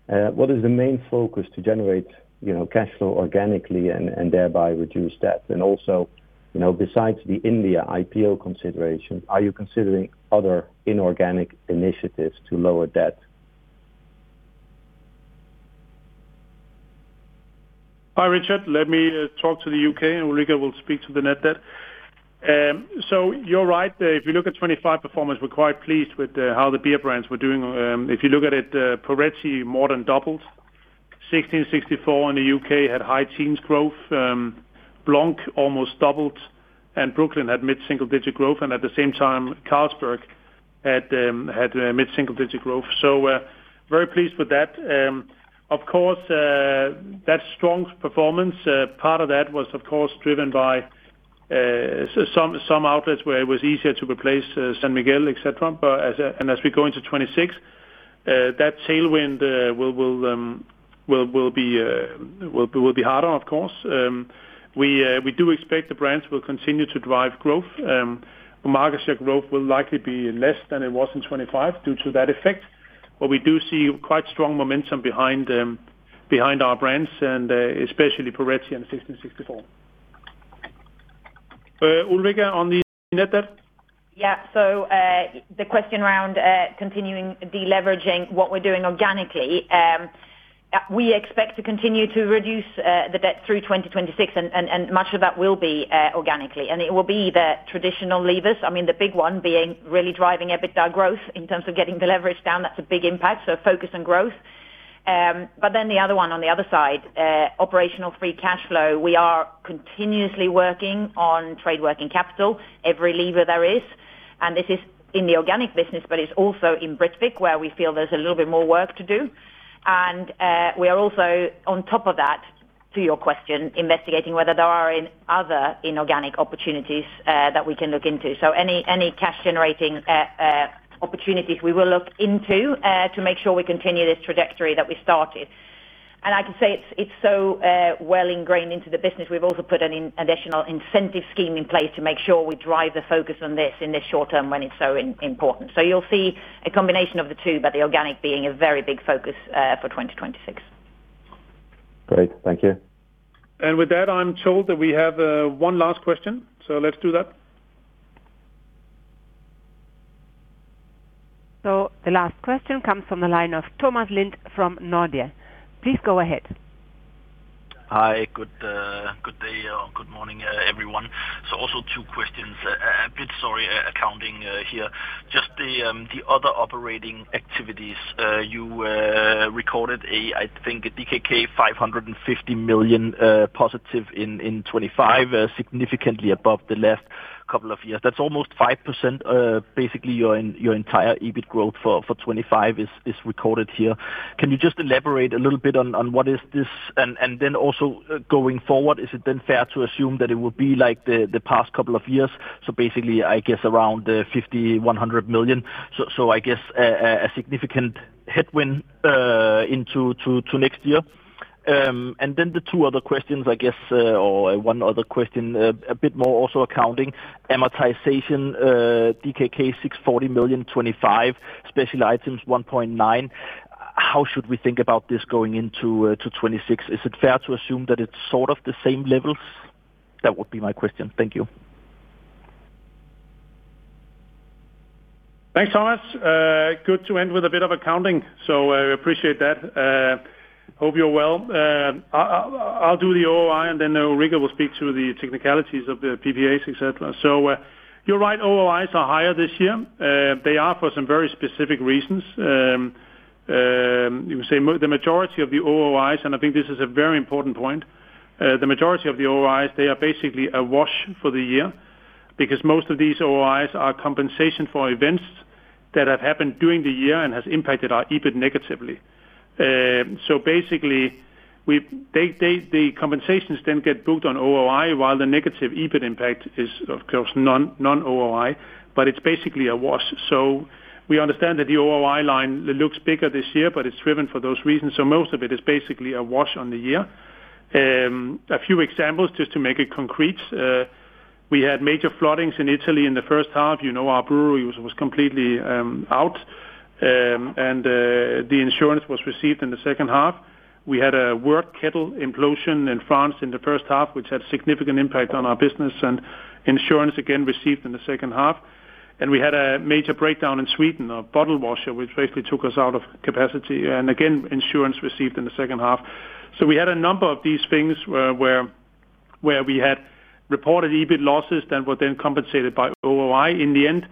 what is the main focus to generate, you know, cash flow organically and thereby reduce debt? And also, you know, besides the India IPO consideration, are you considering other inorganic initiatives to lower debt? Hi, Richard. Let me talk to the U.K., and Ulrica will speak to the net debt. So you're right. If you look at 2025 performance, we're quite pleased with how the beer brands were doing. If you look at it, Angelo Poretti more than doubled. 1664 in the U.K. had high-teens growth, Blanc almost doubled, and Brooklyn had mid-single-digit growth, and at the same time, Carlsberg had mid-single-digit growth. So, very pleased with that. Of course, that strong performance, part of that was, of course, driven by some outlets where it was easier to replace San Miguel, et cetera. But as we go into 2026, that tailwind will be harder, of course. We do expect the brands will continue to drive growth. Market share growth will likely be less than it was in 2025 due to that effect, but we do see quite strong momentum behind our brands and, especially Poretti and 1664. Ulrica, on the net debt? Yeah. So, the question around continuing deleveraging, what we're doing organically, we expect to continue to reduce the debt through 2026, and, and, and much of that will be organically, and it will be the traditional levers. I mean, the big one being really driving EBITDA growth in terms of getting the leverage down. That's a big impact, so focus on growth. But then the other one on the other side, operational free cash flow. We are continuously working on trade working capital, every lever there is, and this is in the organic business, but it's also in Britvic, where we feel there's a little bit more work to do. And we are also on top of that, to your question, investigating whether there are any other inorganic opportunities that we can look into. So any cash-generating opportunities we will look into to make sure we continue this trajectory that we started. I can say it's so well ingrained into the business. We've also put an additional incentive scheme in place to make sure we drive the focus on this in the short term when it's so important. So you'll see a combination of the two, but the organic being a very big focus for 2026. Great. Thank you. With that, I'm told that we have one last question, so let's do that. So the last question comes from the line of Thomas Lind from Nordea. Please go ahead. Hi, good day, or good morning, everyone. So also two questions, a bit, sorry, accounting here. Just the other operating activities, you recorded a, I think, DKK 550 million positive in 2025, significantly above the last couple of years. That's almost 5%, basically, your entire EBIT growth for 2025 is recorded here. Can you just elaborate a little bit on what is this? And then also, going forward, is it then fair to assume that it would be like the past couple of years? So basically, I guess around 50 million-100 million. So I guess a significant headwind into next year. And then the two other questions, I guess, or one other question, a bit more also accounting. Amortization, DKK 640 million, 2025, special items, 1.9. How should we think about this going into, to 2026? Is it fair to assume that it's sort of the same levels? That would be my question. Thank you. Thanks, Thomas. Good to end with a bit of accounting, so I appreciate that. Hope you're well. I'll do the OOI, and then Ulrica will speak to the technicalities of the PPAs, et cetera. So, you're right, OOIs are higher this year. They are for some very specific reasons. You can say the majority of the OOIs, and I think this is a very important point. The majority of the OOIs, they are basically a wash for the year, because most of these OOIs are compensation for events that have happened during the year and has impacted our EBIT negatively. So basically, they, they, the compensations then get booked on OOI, while the negative EBIT impact is, of course, non-OOI, but it's basically a wash. So we understand that the OOI line looks bigger this year, but it's driven for those reasons, so most of it is basically a wash on the year. A few examples, just to make it concrete. We had major floodings in Italy in the first half. You know, our brewery was completely out, and the insurance was received in the second half. We had a wort kettle implosion in France in the first half, which had significant impact on our business, and insurance, again, received in the second half. We had a major breakdown in Sweden, a bottle washer, which basically took us out of capacity, and again, insurance received in the second half. So we had a number of these things where we had reported EBIT losses that were then compensated by OOI. In the end,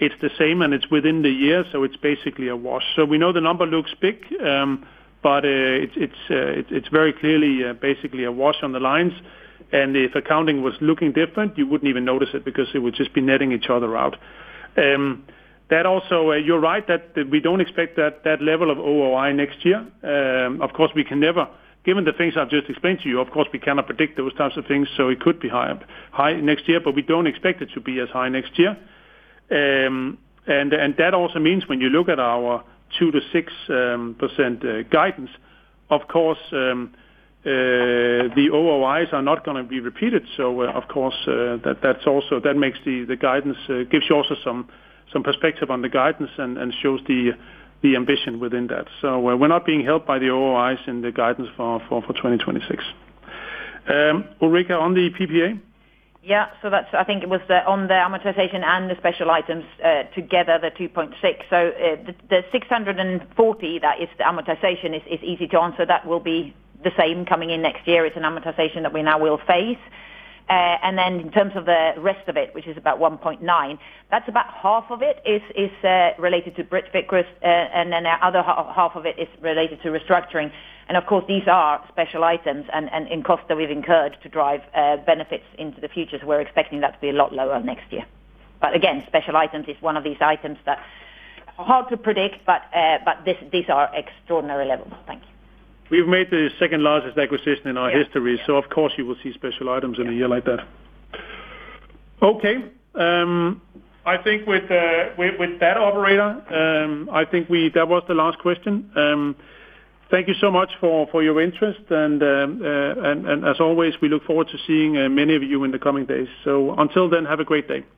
it's the same, and it's within the year, so it's basically a wash. So we know the number looks big, but it's very clearly basically a wash on the lines. And if accounting was looking different, you wouldn't even notice it because it would just be netting each other out. That also, you're right, that we don't expect that level of OOI next year. Of course, we can never-- Given the things I've just explained to you, of course, we cannot predict those types of things, so it could be higher, high next year, but we don't expect it to be as high next year. And that also means when you look at our 2%-6% guidance, of course, the OOIs are not gonna be repeated. So of course, that, that's also, that makes the guidance gives you also some perspective on the guidance and shows the ambition within that. So we're not being helped by the OOIs in the guidance for 2026. Ulrica, on the PPA? Yeah, I think it was on the amortization and the special items, together, the 2.6. The 640, that is the amortization, is easy to answer. That will be the same coming in next year. It's an amortization that we now will face. In terms of the rest of it, which is about 1.9, about half of it is related to Britvic, and then the other half of it is related to restructuring. Of course, these are special items and costs that we've incurred to drive benefits into the future. We're expecting that to be a lot lower next year. Again, special items is one of these items that are hard to predict, but these are extraordinary levels. Thank you. We've made the second largest acquisition in our history- Yeah. So of course, you will see special items in a year like that. Okay, I think with, with that operator, I think we - that was the last question. Thank you so much for, for your interest, and, and as always, we look forward to seeing, many of you in the coming days. So until then, have a great day.